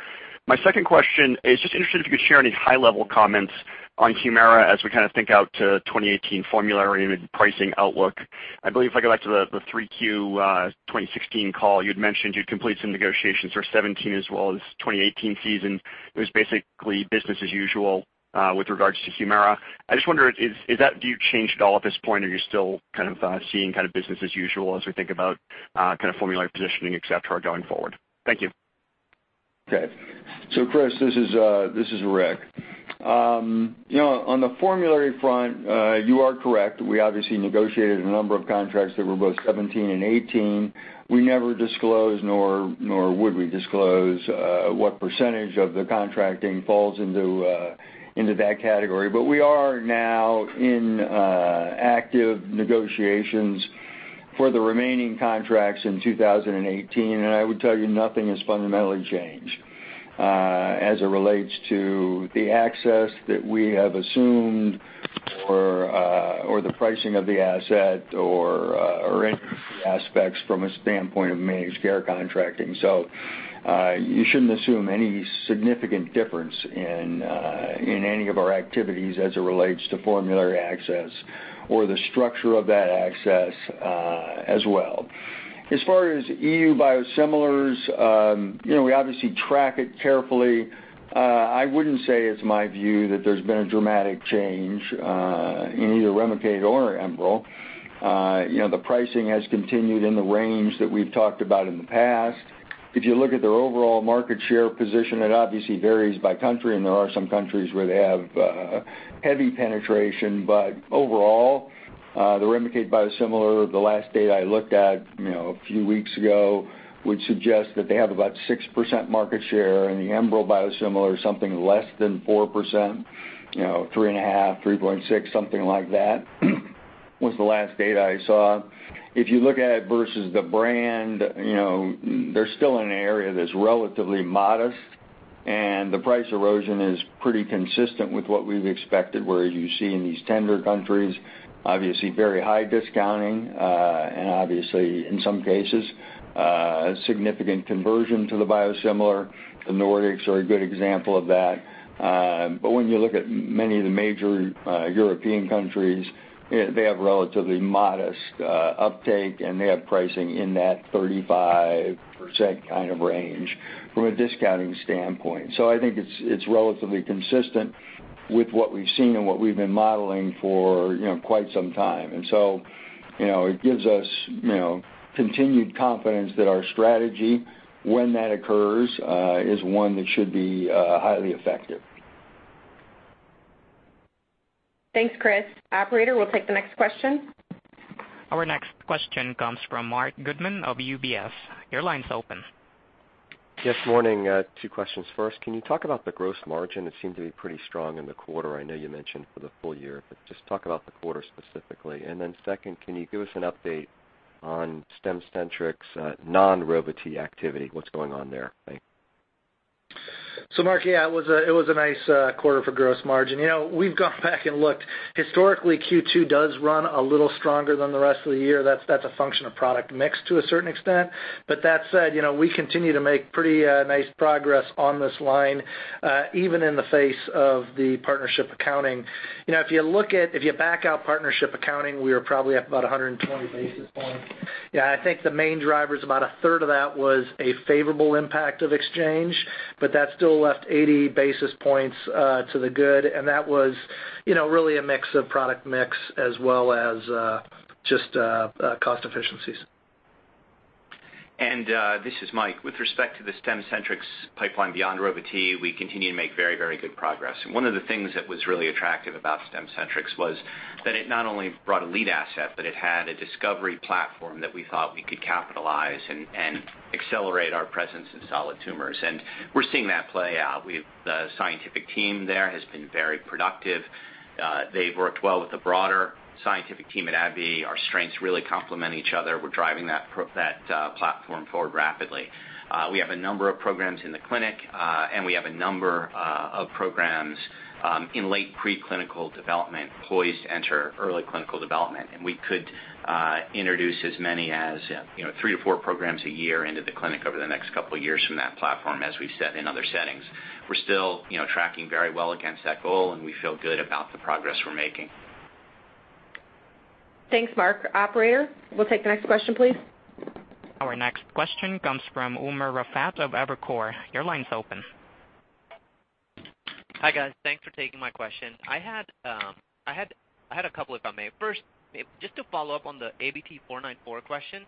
My second question is if you could share any high-level comments on HUMIRA as we think out to 2018 formulary and pricing outlook. I believe if I go back to the 3Q 2016 call, you'd mentioned you'd complete some negotiations for 2017 as well as 2018 season. It was basically business as usual with regards to HUMIRA. Do you change at all at this point, or are you still seeing business as usual as we think about formulary positioning, et cetera, going forward? Thank you. Okay, Chris, this is Rick. On the formulary front, you are correct. We obviously negotiated a number of contracts that were both 2017 and 2018. We never disclose, nor would we disclose, what percentage of the contracting falls into that category. We are now in active negotiations for the remaining contracts in 2018, and I would tell you nothing has fundamentally changed as it relates to the access that we have assumed or the pricing of the asset or any aspects from a standpoint of managed care contracting. You shouldn't assume any significant difference in any of our activities as it relates to formulary access or the structure of that access as well. As far as EU biosimilars, we obviously track it carefully. I wouldn't say it's my view that there's been a dramatic change in either REMICADE or Enbrel. The pricing has continued in the range that we've talked about in the past. If you look at their overall market share position, it obviously varies by country, and there are some countries where they have heavy penetration. Overall, the REMICADE biosimilar, the last data I looked at a few weeks ago, would suggest that they have about 6% market share, and the Enbrel biosimilar is something less than 4%, 3.5%, 3.6%, something like that, was the last data I saw. If you look at it versus the brand, they're still in an area that's relatively modest, and the price erosion is pretty consistent with what we've expected, where you see in these tender countries, obviously very high discounting, and obviously in some cases, a significant conversion to the biosimilar. The Nordics are a good example of that. When you look at many of the major European countries, they have relatively modest uptake, and they have pricing in that 35% kind of range from a discounting standpoint. I think it's relatively consistent with what we've seen and what we've been modeling for quite some time. It gives us continued confidence that our strategy, when that occurs, is one that should be highly effective. Thanks, Chris. Operator, we'll take the next question. Our next question comes from Marc Goodman of UBS. Your line's open. Yes, morning. Two questions. First, can you talk about the gross margin? It seemed to be pretty strong in the quarter. I know you mentioned for the full year, but just talk about the quarter specifically. Second, can you give us an update on Stemcentrx non-Rova-T activity? What's going on there? Thanks. Marc, it was a nice quarter for gross margin. We've gone back and looked. Historically, Q2 does run a little stronger than the rest of the year. That's a function of product mix to a certain extent. That said, we continue to make pretty nice progress on this line, even in the face of the partnership accounting. If you back out partnership accounting, we are probably up about 120 basis points. I think the main driver is about a third of that was a favorable impact of exchange, but that still left 80 basis points to the good, and that was really a mix of product mix as well as just cost efficiencies. This is Michael. With respect to the Stemcentrx pipeline beyond Rova-T, we continue to make very good progress. One of the things that was really attractive about Stemcentrx was that it not only brought a lead asset, but it had a discovery platform that we thought we could capitalize and accelerate our presence in solid tumors. We're seeing that play out. The scientific team there has been very productive. They have worked well with the broader scientific team at AbbVie. Our strengths really complement each other. We're driving that platform forward rapidly. We have a number of programs in the clinic, and we have a number of programs in late preclinical development, poised to enter early clinical development. We could introduce as many as three to four programs a year into the clinic over the next couple of years from that platform, as we've said in other settings. We're still tracking very well against that goal. We feel good about the progress we're making. Thanks, Marc. Operator, we'll take the next question, please. Our next question comes from Umer Raffat of Evercore. Your line's open. Hi, guys. Thanks for taking my question. I had a couple, if I may. First, just to follow up on the ABT-494 question,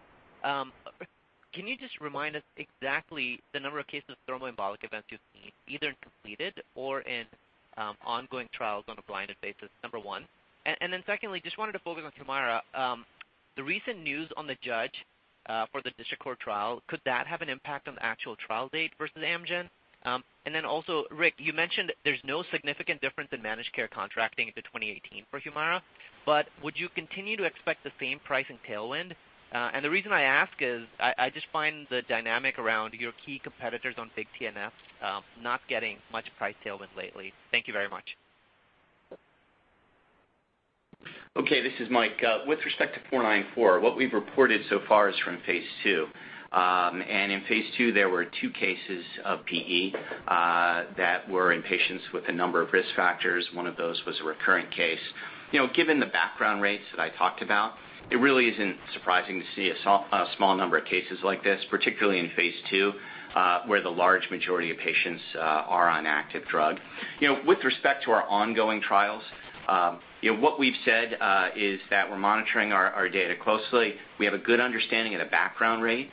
can you just remind us exactly the number of cases of thromboembolic events you've seen either in completed or in ongoing trials on a blinded basis? Number one. Secondly, just wanted to focus on HUMIRA. The recent news on the judge for the district court trial, could that have an impact on the actual trial date versus Amgen? Also, Rick, you mentioned there's no significant difference in managed care contracting into 2018 for HUMIRA. Would you continue to expect the same pricing tailwind? The reason I ask is I just find the dynamic around your key competitors on big TNF not getting much price tailwind lately. Thank you very much. Okay, this is Mike. With respect to 494, what we've reported so far is from phase II. In phase II, there were two cases of PE that were in patients with a number of risk factors. One of those was a recurrent case. Given the background rates that I talked about, it really isn't surprising to see a small number of cases like this, particularly in phase II, where the large majority of patients are on active drug. With respect to our ongoing trials, what we've said is that we're monitoring our data closely. We have a good understanding of the background rate,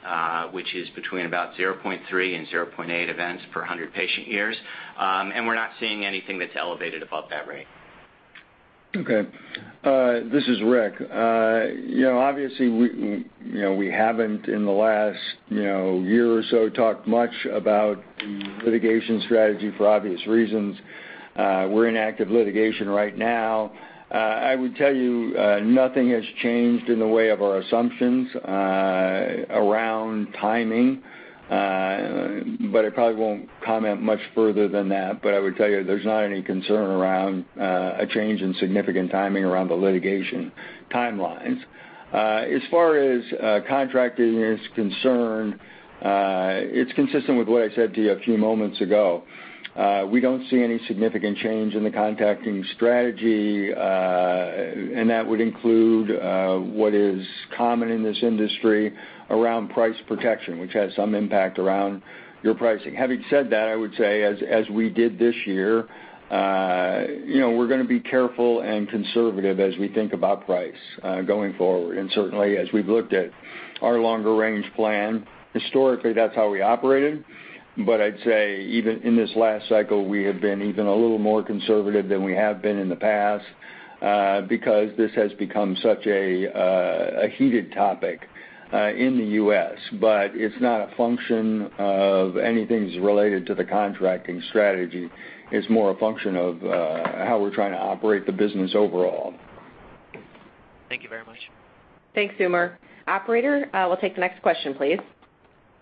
which is between about 0.3 and 0.8 events per 100 patient years. We're not seeing anything that's elevated above that rate. Okay. This is Rick. Obviously, we haven't, in the last year or so, talked much about the litigation strategy for obvious reasons. We're in active litigation right now. I would tell you nothing has changed in the way of our assumptions around timing. I probably won't comment much further than that. I would tell you there's not any concern around a change in significant timing around the litigation timelines. As far as contracting is concerned, it's consistent with what I said to you a few moments ago. We don't see any significant change in the contracting strategy, and that would include what is common in this industry around price protection, which has some impact around your pricing. Having said that, I would say, as we did this year, we're going to be careful and conservative as we think about price going forward. Certainly, as we've looked at our longer-range plan, historically, that's how we operated. I'd say even in this last cycle, we have been even a little more conservative than we have been in the past, because this has become such a heated topic in the U.S. It's not a function of anything that's related to the contracting strategy. It's more a function of how we're trying to operate the business overall. Thank you very much. Thanks, Umer. Operator, we'll take the next question, please.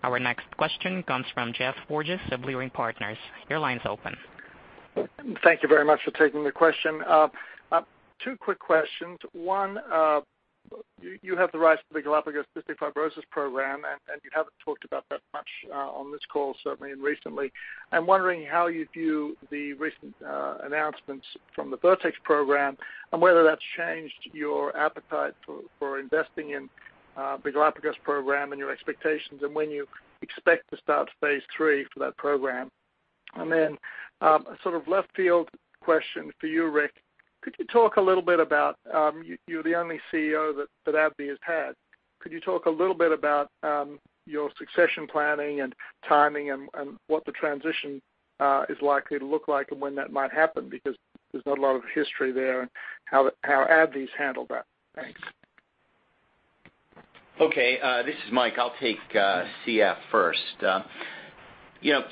Our next question comes from Geoffrey Porges of Leerink Partners. Your line's open. Thank you very much for taking the question. Two quick questions. You have the rights to the Galapagos cystic fibrosis program, and you haven't talked about that much on this call, certainly, and recently. I'm wondering how you view the recent announcements from the Vertex program and whether that's changed your appetite for investing in the Galapagos program and your expectations, and when you expect to start phase III for that program. Then a sort of left-field question for you, Rick. You're the only CEO that AbbVie has had. Could you talk a little bit about your succession planning and timing and what the transition is likely to look like and when that might happen? There's not a lot of history there on how AbbVie's handled that. Thanks. Okay. This is Mike. I'll take CF first. Our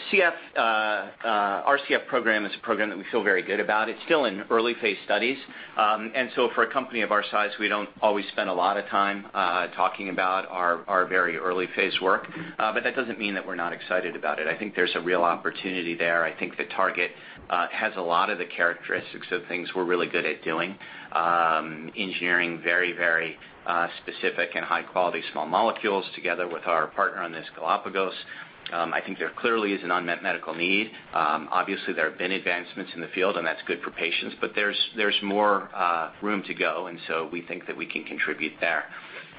CF program is a program that we feel very good about. It's still in early-phase studies. For a company of our size, we don't always spend a lot of time talking about our very early-phase work. That doesn't mean that we're not excited about it. I think there's a real opportunity there. I think the target has a lot of the characteristics of things we're really good at doing. Engineering very specific and high-quality small molecules together with our partner on this, Galapagos. I think there clearly is an unmet medical need. Obviously, there have been advancements in the field, and that's good for patients, but there's more room to go, and so we think that we can contribute there.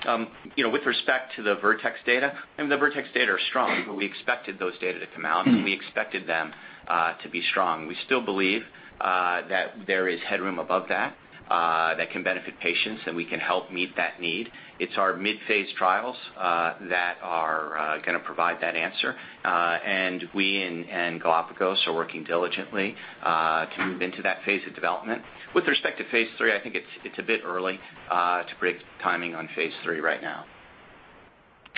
With respect to the Vertex data, the Vertex data are strong. We expected those data to come out, and we expected them to be strong. We still believe that there is headroom above that that can benefit patients, and we can help meet that need. It's our mid-phase trials that are going to provide that answer. We and Galapagos are working diligently to move into that phase of development. With respect to phase III, I think it's a bit early to predict timing on phase III right now.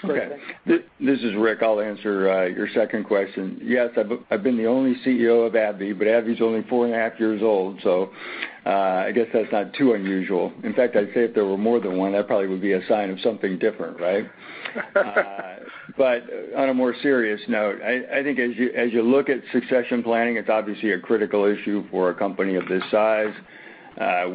Okay, thanks. This is Rick. I'll answer your second question. Yes, I've been the only CEO of AbbVie, but AbbVie's only four and a half years old, so I guess that's not too unusual. In fact, I'd say if there were more than one, that probably would be a sign of something different, right? On a more serious note, I think as you look at succession planning, it's obviously a critical issue for a company of this size.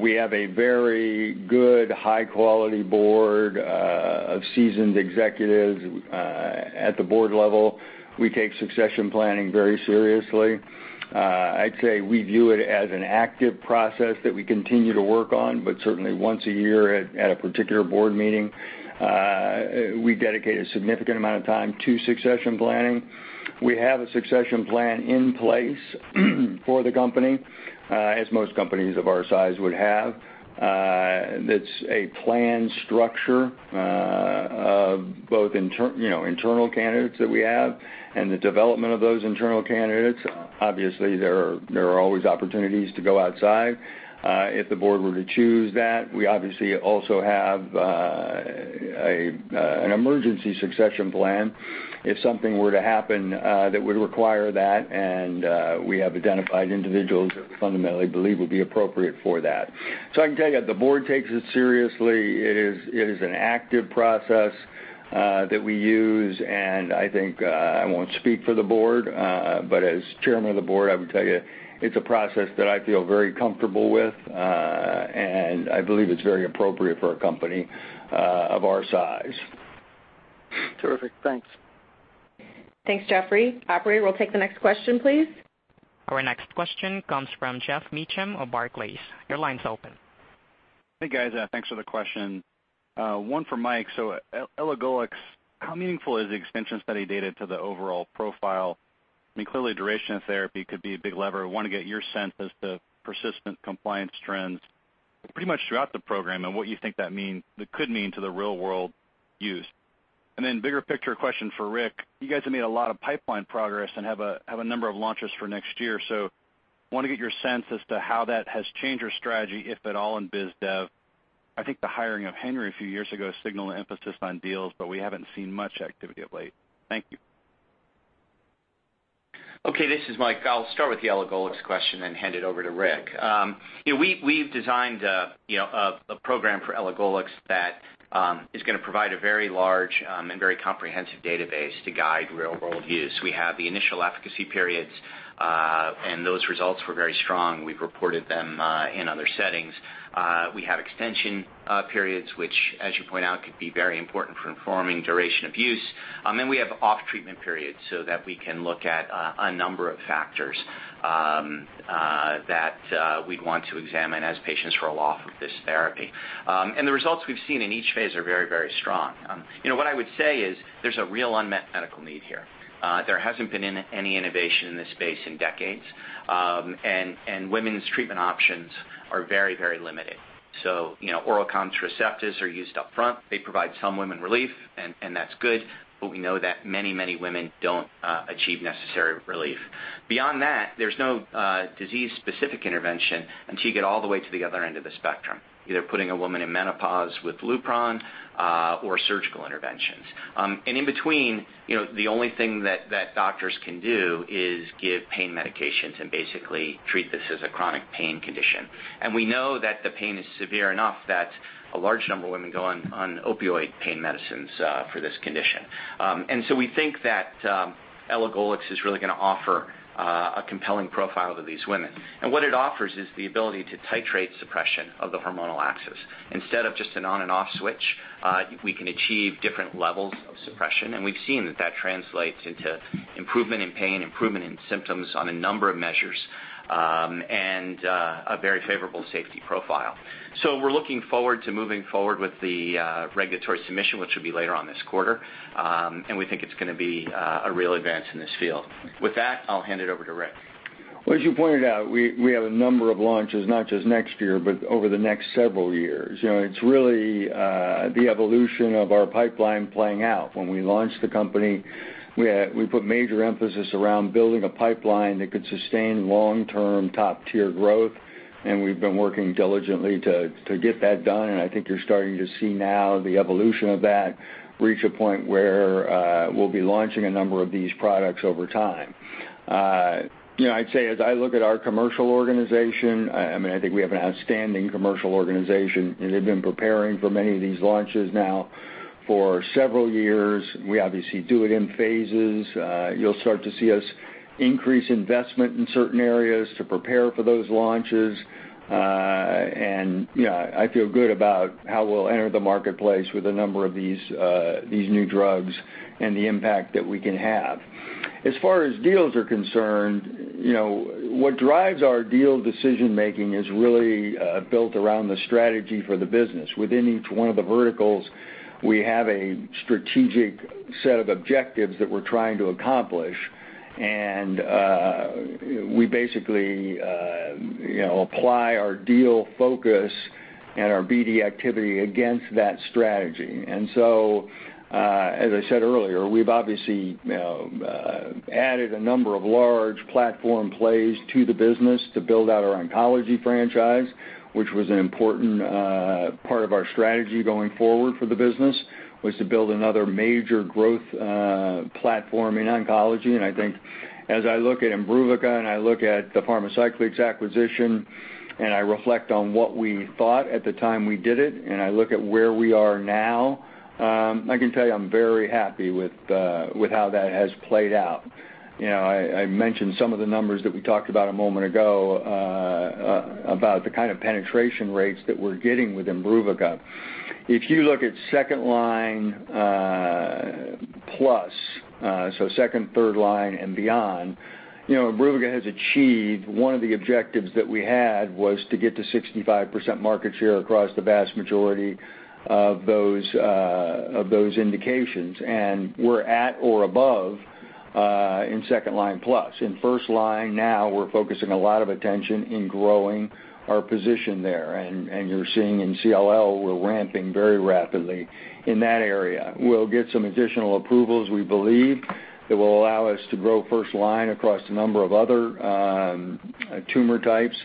We have a very good high-quality board of seasoned executives. At the board level, we take succession planning very seriously. I'd say we view it as an active process that we continue to work on, but certainly once a year at a particular board meeting, we dedicate a significant amount of time to succession planning. We have a succession plan in place for the company, as most companies of our size would have. That's a planned structure of both internal candidates that we have and the development of those internal candidates. Obviously, there are always opportunities to go outside. If the board were to choose that, we obviously also have an emergency succession plan if something were to happen that would require that, and we have identified individuals that we fundamentally believe would be appropriate for that. I can tell you that the board takes it seriously. It is an active process that we use, and I think, I won't speak for the board, but as chairman of the board, I would tell you it's a process that I feel very comfortable with. I believe it's very appropriate for a company of our size. Terrific. Thanks. Thanks, Geoffrey. Operator, we'll take the next question, please. Our next question comes from Geoff Meacham of Barclays. Your line's open. Hey, guys. Thanks for the question. One for Mike. elagolix, how meaningful is the extension study data to the overall profile? Clearly, duration of therapy could be a big lever. I want to get your sense as to persistent compliance trends pretty much throughout the program and what you think that could mean to the real-world use. Then bigger picture question for Rick, you guys have made a lot of pipeline progress and have a number of launches for next year. Want to get your sense as to how that has changed your strategy, if at all, in biz dev. I think the hiring of Henry a few years ago signaled an emphasis on deals, but we haven't seen much activity of late. Thank you. Okay, this is Mike. I'll start with the elagolix question, then hand it over to Rick. We've designed a program for elagolix that is going to provide a very large and very comprehensive database to guide real-world use. We have the initial efficacy periods, and those results were very strong. We've reported them in other settings. We have extension periods, which as you point out, could be very important for informing duration of use. Then we have off-treatment periods so that we can look at a number of factors that we'd want to examine as patients roll off of this therapy. The results we've seen in each phase are very strong. What I would say is there's a real unmet medical need here. There hasn't been any innovation in this space in decades. Women's treatment options are very limited. Oral contraceptives are used up front. They provide some women relief, and that's good. We know that many women don't achieve necessary relief. Beyond that, there's no disease-specific intervention until you get all the way to the other end of the spectrum, either putting a woman in menopause with LUPRON or surgical interventions. In between, the only thing that doctors can do is give pain medications and basically treat this as a chronic pain condition. We know that the pain is severe enough that a large number of women go on opioid pain medicines for this condition. So we think that elagolix is really going to offer a compelling profile to these women. What it offers is the ability to titrate suppression of the hormonal axis. Instead of just an on and off switch, we can achieve different levels of suppression, and we've seen that that translates into improvement in pain, improvement in symptoms on a number of measures, and a very favorable safety profile. We're looking forward to moving forward with the regulatory submission, which will be later on this quarter. We think it's going to be a real advance in this field. With that, I'll hand it over to Rick. Well, as you pointed out, we have a number of launches, not just next year, but over the next several years. It's really the evolution of our pipeline playing out. When we launched the company, we put major emphasis around building a pipeline that could sustain long-term, top-tier growth, and we've been working diligently to get that done, and I think you're starting to see now the evolution of that reach a point where we'll be launching a number of these products over time. I'd say, as I look at our commercial organization, I think we have an outstanding commercial organization, and they've been preparing for many of these launches now for several years. We obviously do it in phases. You'll start to see us increase investment in certain areas to prepare for those launches. I feel good about how we'll enter the marketplace with a number of these new drugs and the impact that we can have. As far as deals are concerned, what drives our deal decision-making is really built around the strategy for the business. Within each one of the verticals, we have a strategic set of objectives that we're trying to accomplish. We basically apply our deal focus and our BD activity against that strategy. As I said earlier, we've obviously added a number of large platform plays to the business to build out our oncology franchise, which was an important part of our strategy going forward for the business, was to build another major growth platform in oncology. I think as I look at IMBRUVICA, and I look at the Pharmacyclics acquisition, and I reflect on what we thought at the time we did it, and I look at where we are now, I can tell you I'm very happy with how that has played out. I mentioned some of the numbers that we talked about a moment ago about the kind of penetration rates that we're getting with IMBRUVICA. If you look at second-line plus, so second, third-line and beyond, IMBRUVICA has achieved one of the objectives that we had, was to get to 65% market share across the vast majority of those indications. We're at or above in second-line plus. In first line now, we're focusing a lot of attention in growing our position there. You're seeing in CLL, we're ramping very rapidly in that area. We'll get some additional approvals, we believe, that will allow us to grow first line across a number of other tumor types.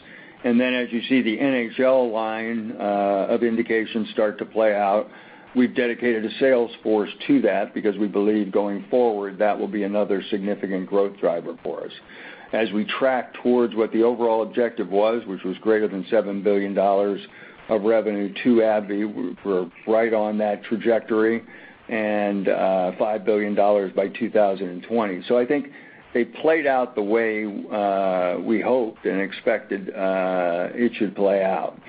As you see the NHL line of indications start to play out, we've dedicated a sales force to that because we believe going forward, that will be another significant growth driver for us. As we track towards what the overall objective was, which was greater than $7 billion of revenue to AbbVie, we're right on that trajectory, and $5 billion by 2020. I think they played out the way we hoped and expected it should play out.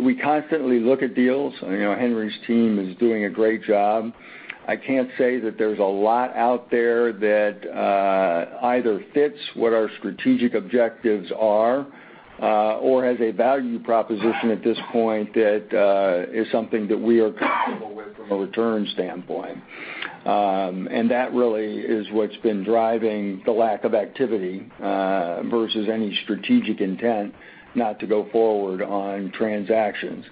We constantly look at deals. Henry's team is doing a great job. I can't say that there's a lot out there that either fits what our strategic objectives are or has a value proposition at this point that is something that we are comfortable with from a return standpoint. That really is what's been driving the lack of activity versus any strategic intent not to go forward on transactions.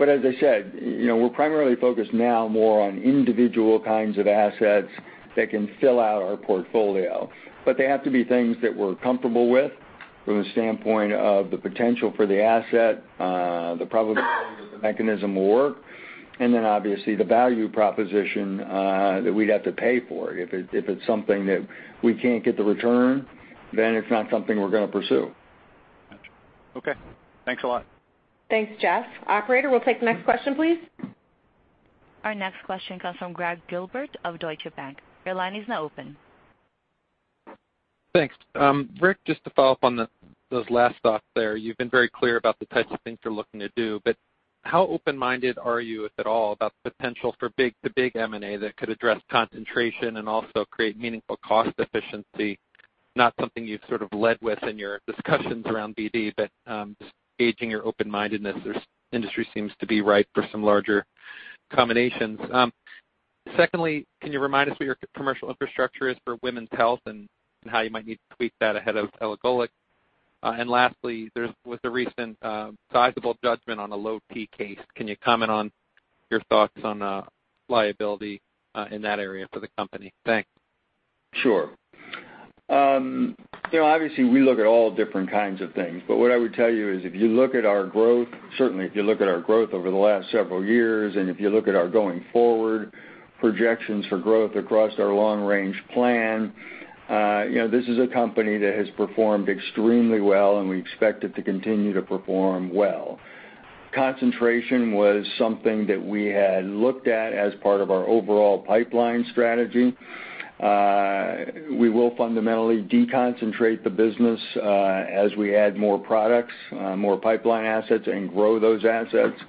As I said, we're primarily focused now more on individual kinds of assets that can fill out our portfolio. They have to be things that we're comfortable with from the standpoint of the potential for the asset, the probability that the mechanism will work, and then obviously the value proposition that we'd have to pay for it. If it's something that we can't get the return, then it's not something we're going to pursue. Got you. Okay. Thanks a lot. Thanks, Jeff. Operator, we'll take the next question, please. Our next question comes from Gregg Gilbert of Deutsche Bank. Your line is now open. Thanks. Rick, just to follow up on those last thoughts there. You've been very clear about the types of things you're looking to do, but how open-minded are you, if at all, about the potential for big to big M&A that could address concentration and also create meaningful cost efficiency? Not something you've sort of led with in your discussions around BD, but just gauging your open-mindedness. This industry seems to be ripe for some larger combinations. Can you remind us what your commercial infrastructure is for women's health and how you might need to tweak that ahead of elagolix? Lastly, there was a recent sizable judgment on a low T case. Can you comment on your thoughts on liability in that area for the company? Thanks. Sure. Obviously, we look at all different kinds of things, what I would tell you is if you look at our growth, certainly if you look at our growth over the last several years, if you look at our going forward projections for growth across our long-range plan, this is a company that has performed extremely well, we expect it to continue to perform well. Concentration was something that we had looked at as part of our overall pipeline strategy. We will fundamentally deconcentrate the business as we add more products, more pipeline assets, grow those assets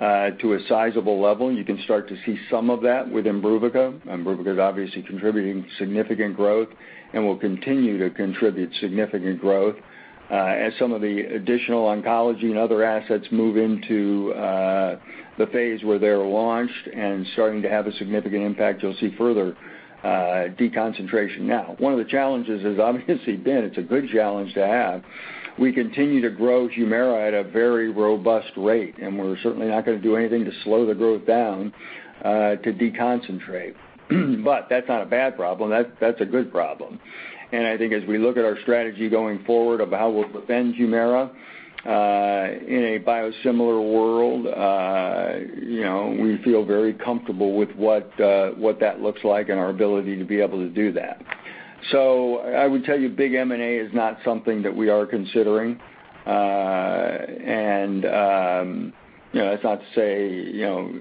to a sizable level. You can start to see some of that with IMBRUVICA. IMBRUVICA is obviously contributing significant growth and will continue to contribute significant growth. As some of the additional oncology and other assets move into the phase where they're launched and starting to have a significant impact, you'll see further deconcentration. One of the challenges has obviously been, it's a good challenge to have, we continue to grow HUMIRA at a very robust rate, we're certainly not going to do anything to slow the growth down to deconcentrate. That's not a bad problem. That's a good problem. I think as we look at our strategy going forward of how we'll defend HUMIRA in a biosimilar world, we feel very comfortable with what that looks like and our ability to be able to do that. I would tell you big M&A is not something that we are considering. That's not to say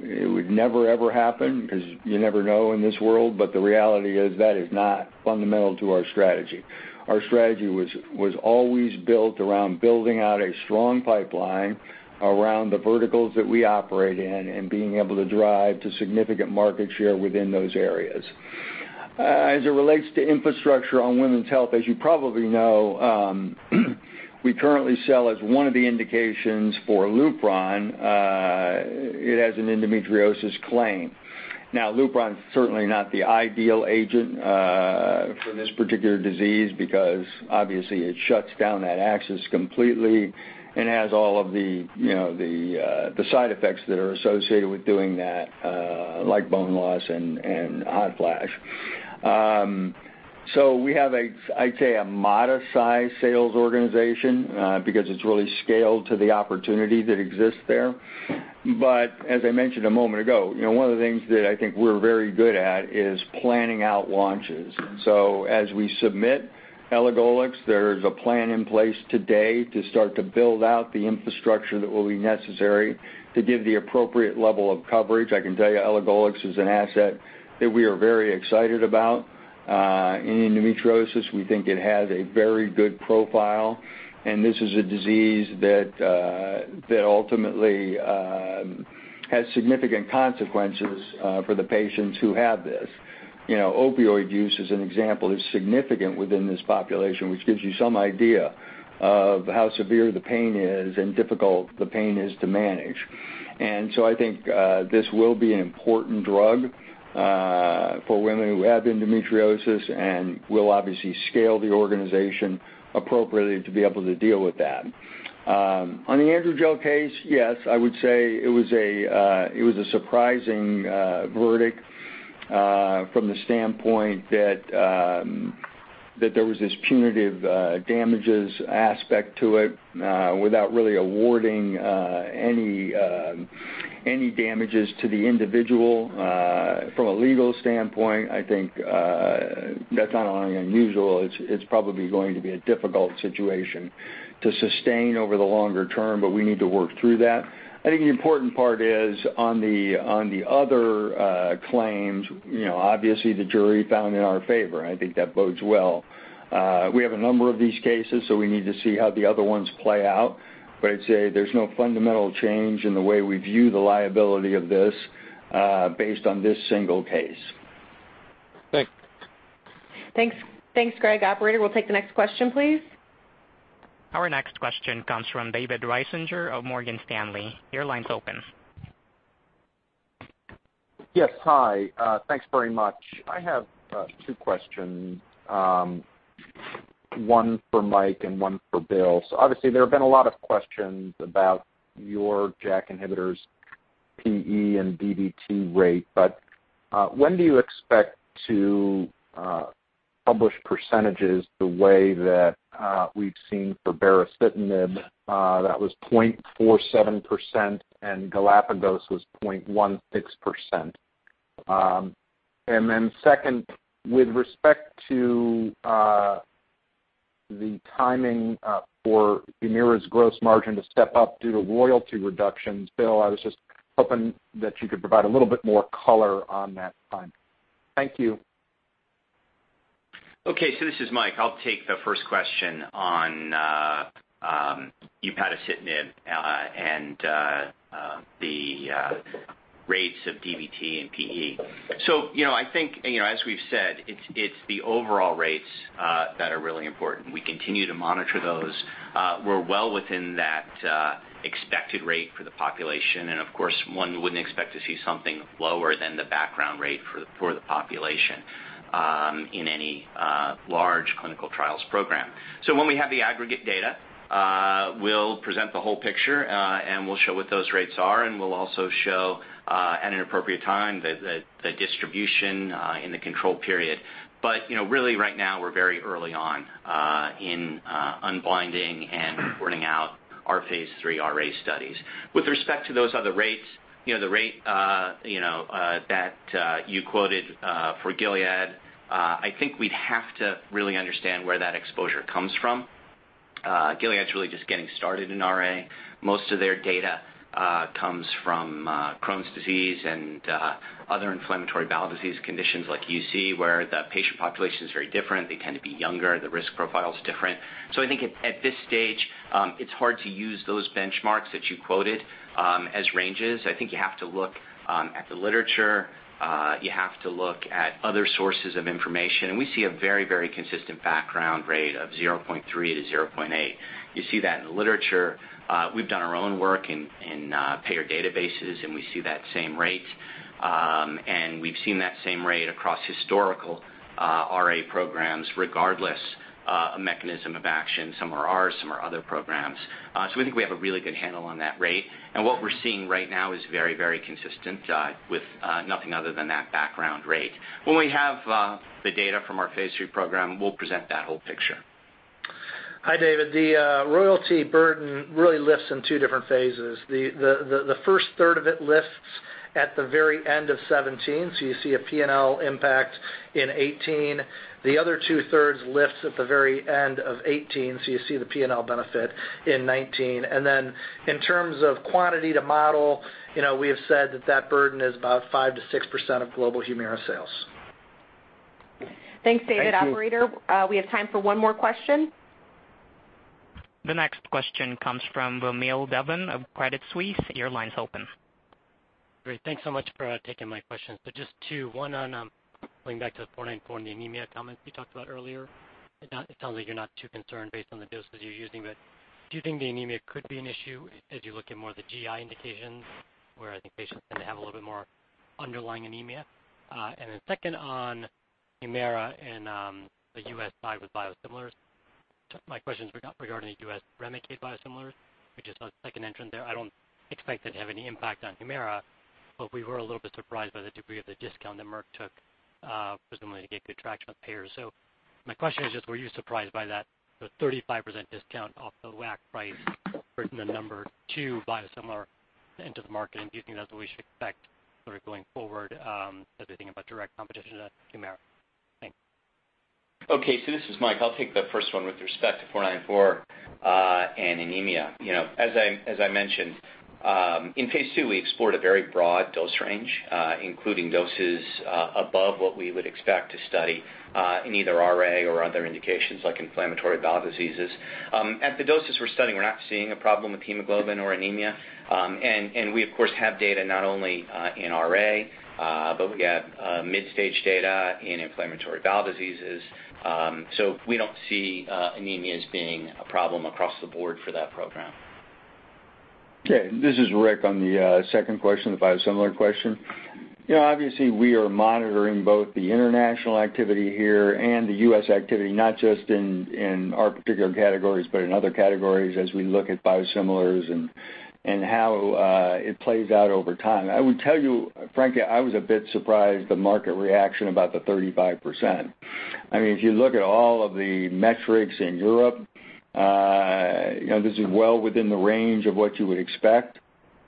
it would never, ever happen because you never know in this world, but the reality is that is not fundamental to our strategy. Our strategy was always built around building out a strong pipeline around the verticals that we operate in and being able to drive to significant market share within those areas. As it relates to infrastructure on women's health, as you probably know, we currently sell as one of the indications for LUPRON. It has an endometriosis claim. LUPRON's certainly not the ideal agent for this particular disease because obviously it shuts down that axis completely and has all of the side effects that are associated with doing that, like bone loss and hot flash. We have, I'd say, a modest size sales organization because it's really scaled to the opportunity that exists there. As I mentioned a moment ago, one of the things that I think we're very good at is planning out launches. As we submit elagolix, there's a plan in place today to start to build out the infrastructure that will be necessary to give the appropriate level of coverage. I can tell you elagolix is an asset that we are very excited about. In endometriosis, we think it has a very good profile, and this is a disease that ultimately has significant consequences for the patients who have this. Opioid use, as an example, is significant within this population, which gives you some idea of how severe the pain is and how difficult the pain is to manage. I think this will be an important drug for women who have endometriosis, and we'll obviously scale the organization appropriately to be able to deal with that. On the AndroGel case, yes, I would say it was a surprising verdict from the standpoint that there was this punitive damages aspect to it without really awarding any damages to the individual. From a legal standpoint, I think that's not only unusual, it's probably going to be a difficult situation to sustain over the longer term, but we need to work through that. I think the important part is on the other claims, obviously the jury found in our favor, and I think that bodes well. We have a number of these cases, so we need to see how the other ones play out. I'd say there's no fundamental change in the way we view the liability of this based on this single case. Thanks. Thanks, Gregg. Operator, we'll take the next question, please. Our next question comes from David Risinger of Morgan Stanley. Your line's open. Yes, hi. Thanks very much. I have two questions. One for Mike and one for Bill. Obviously there have been a lot of questions about your JAK inhibitors PE and DVT rate. But when do you expect to publish percentages the way that we've seen for baricitinib? That was 0.47% and Galapagos was 0.16%. Second, with respect to the timing for HUMIRA's gross margin to step up due to royalty reductions, Bill, I was just hoping that you could provide a little bit more color on that timing. Thank you. Okay, this is Mike. I'll take the first question on upadacitinib and the rates of DVT and PE. I think, as we've said, it's the overall rates that are really important. We continue to monitor those. We're well within that expected rate for the population, and of course, one wouldn't expect to see something lower than the background rate for the population in any large clinical trials program. When we have the aggregate data, we'll present the whole picture, and we'll show what those rates are, and we'll also show at an appropriate time the distribution in the control period. Really right now we're very early on in unblinding and reporting out our phase III RA studies. With respect to those other rates, the rate that you quoted for Gilead, I think we'd have to really understand where that exposure comes from. Gilead's really just getting started in RA. Most of their data comes from Crohn's disease and other inflammatory bowel disease conditions like UC, where the patient population is very different. They tend to be younger. The risk profile is different. I think at this stage, it's hard to use those benchmarks that you quoted as ranges. I think you have to look at the literature. You have to look at other sources of information. We see a very, very consistent background rate of 0.3%-0.8%. You see that in the literature. We've done our own work in payer databases, and we see that same rate. We've seen that same rate across historical RA programs, regardless of mechanism of action. Some are ours, some are other programs. We think we have a really good handle on that rate. What we're seeing right now is very, very consistent with nothing other than that background rate. When we have the data from our phase III program, we'll present that whole picture. Hi, David. The royalty burden really lifts in two different phases. The first third of it lifts at the very end of 2017, so you see a P&L impact in 2018. The other two-thirds lifts at the very end of 2018, so you see the P&L benefit in 2019. In terms of quantity to model, we have said that burden is about 5%-6% of global HUMIRA sales. Thank you. Thanks, David. Operator, we have time for one more question. The next question comes from Vamil Divan of Credit Suisse. Your line's open. Just two, one on going back to the 494 and the anemia comments we talked about earlier. It sounds like you're not too concerned based on the doses you're using, but do you think the anemia could be an issue as you look at more of the GI indications where I think patients tend to have a little bit more underlying anemia? Second on HUMIRA and the U.S. side with biosimilars. My question is regarding the U.S. REMICADE biosimilars. We just saw the second entrant there. I don't expect it to have any impact on HUMIRA, but we were a little bit surprised by the degree of the discount that Merck took, presumably to get good traction with payers. My question is just, were you surprised by that 35% discount off the WAC price versus the number 2 biosimilar into the market? Do you think that's what we should expect sort of going forward as we think about direct competition to HUMIRA? Thanks. This is Mike. I'll take the first one with respect to 494 and anemia. As I mentioned, in phase II we explored a very broad dose range, including doses above what we would expect to study in either RA or other indications like inflammatory bowel diseases. At the doses we're studying, we're not seeing a problem with hemoglobin or anemia. We of course have data not only in RA, but we have mid-stage data in inflammatory bowel diseases. We don't see anemia as being a problem across the board for that program. Okay, this is Rick. On the second question, the biosimilar question. Obviously we are monitoring both the international activity here and the U.S. activity, not just in our particular categories, but in other categories as we look at biosimilars and how it plays out over time. I would tell you, frankly, I was a bit surprised the market reaction about the 35%. If you look at all of the metrics in Europe, this is well within the range of what you would expect.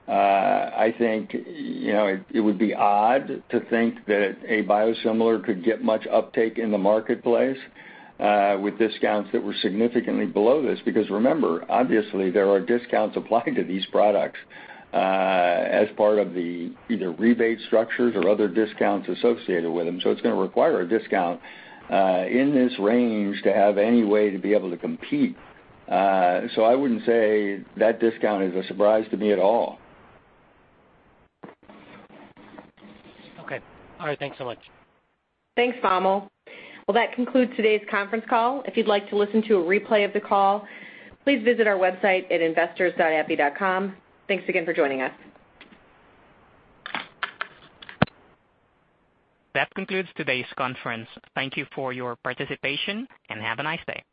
I think it would be odd to think that a biosimilar could get much uptake in the marketplace with discounts that were significantly below this. Because remember, obviously there are discounts applied to these products as part of the either rebate structures or other discounts associated with them. It's going to require a discount in this range to have any way to be able to compete. I wouldn't say that discount is a surprise to me at all. Okay. All right, thanks so much. Thanks, Vamil. That concludes today's conference call. If you'd like to listen to a replay of the call, please visit our website at investors.abbvie.com. Thanks again for joining us. That concludes today's conference. Thank you for your participation, and have a nice day.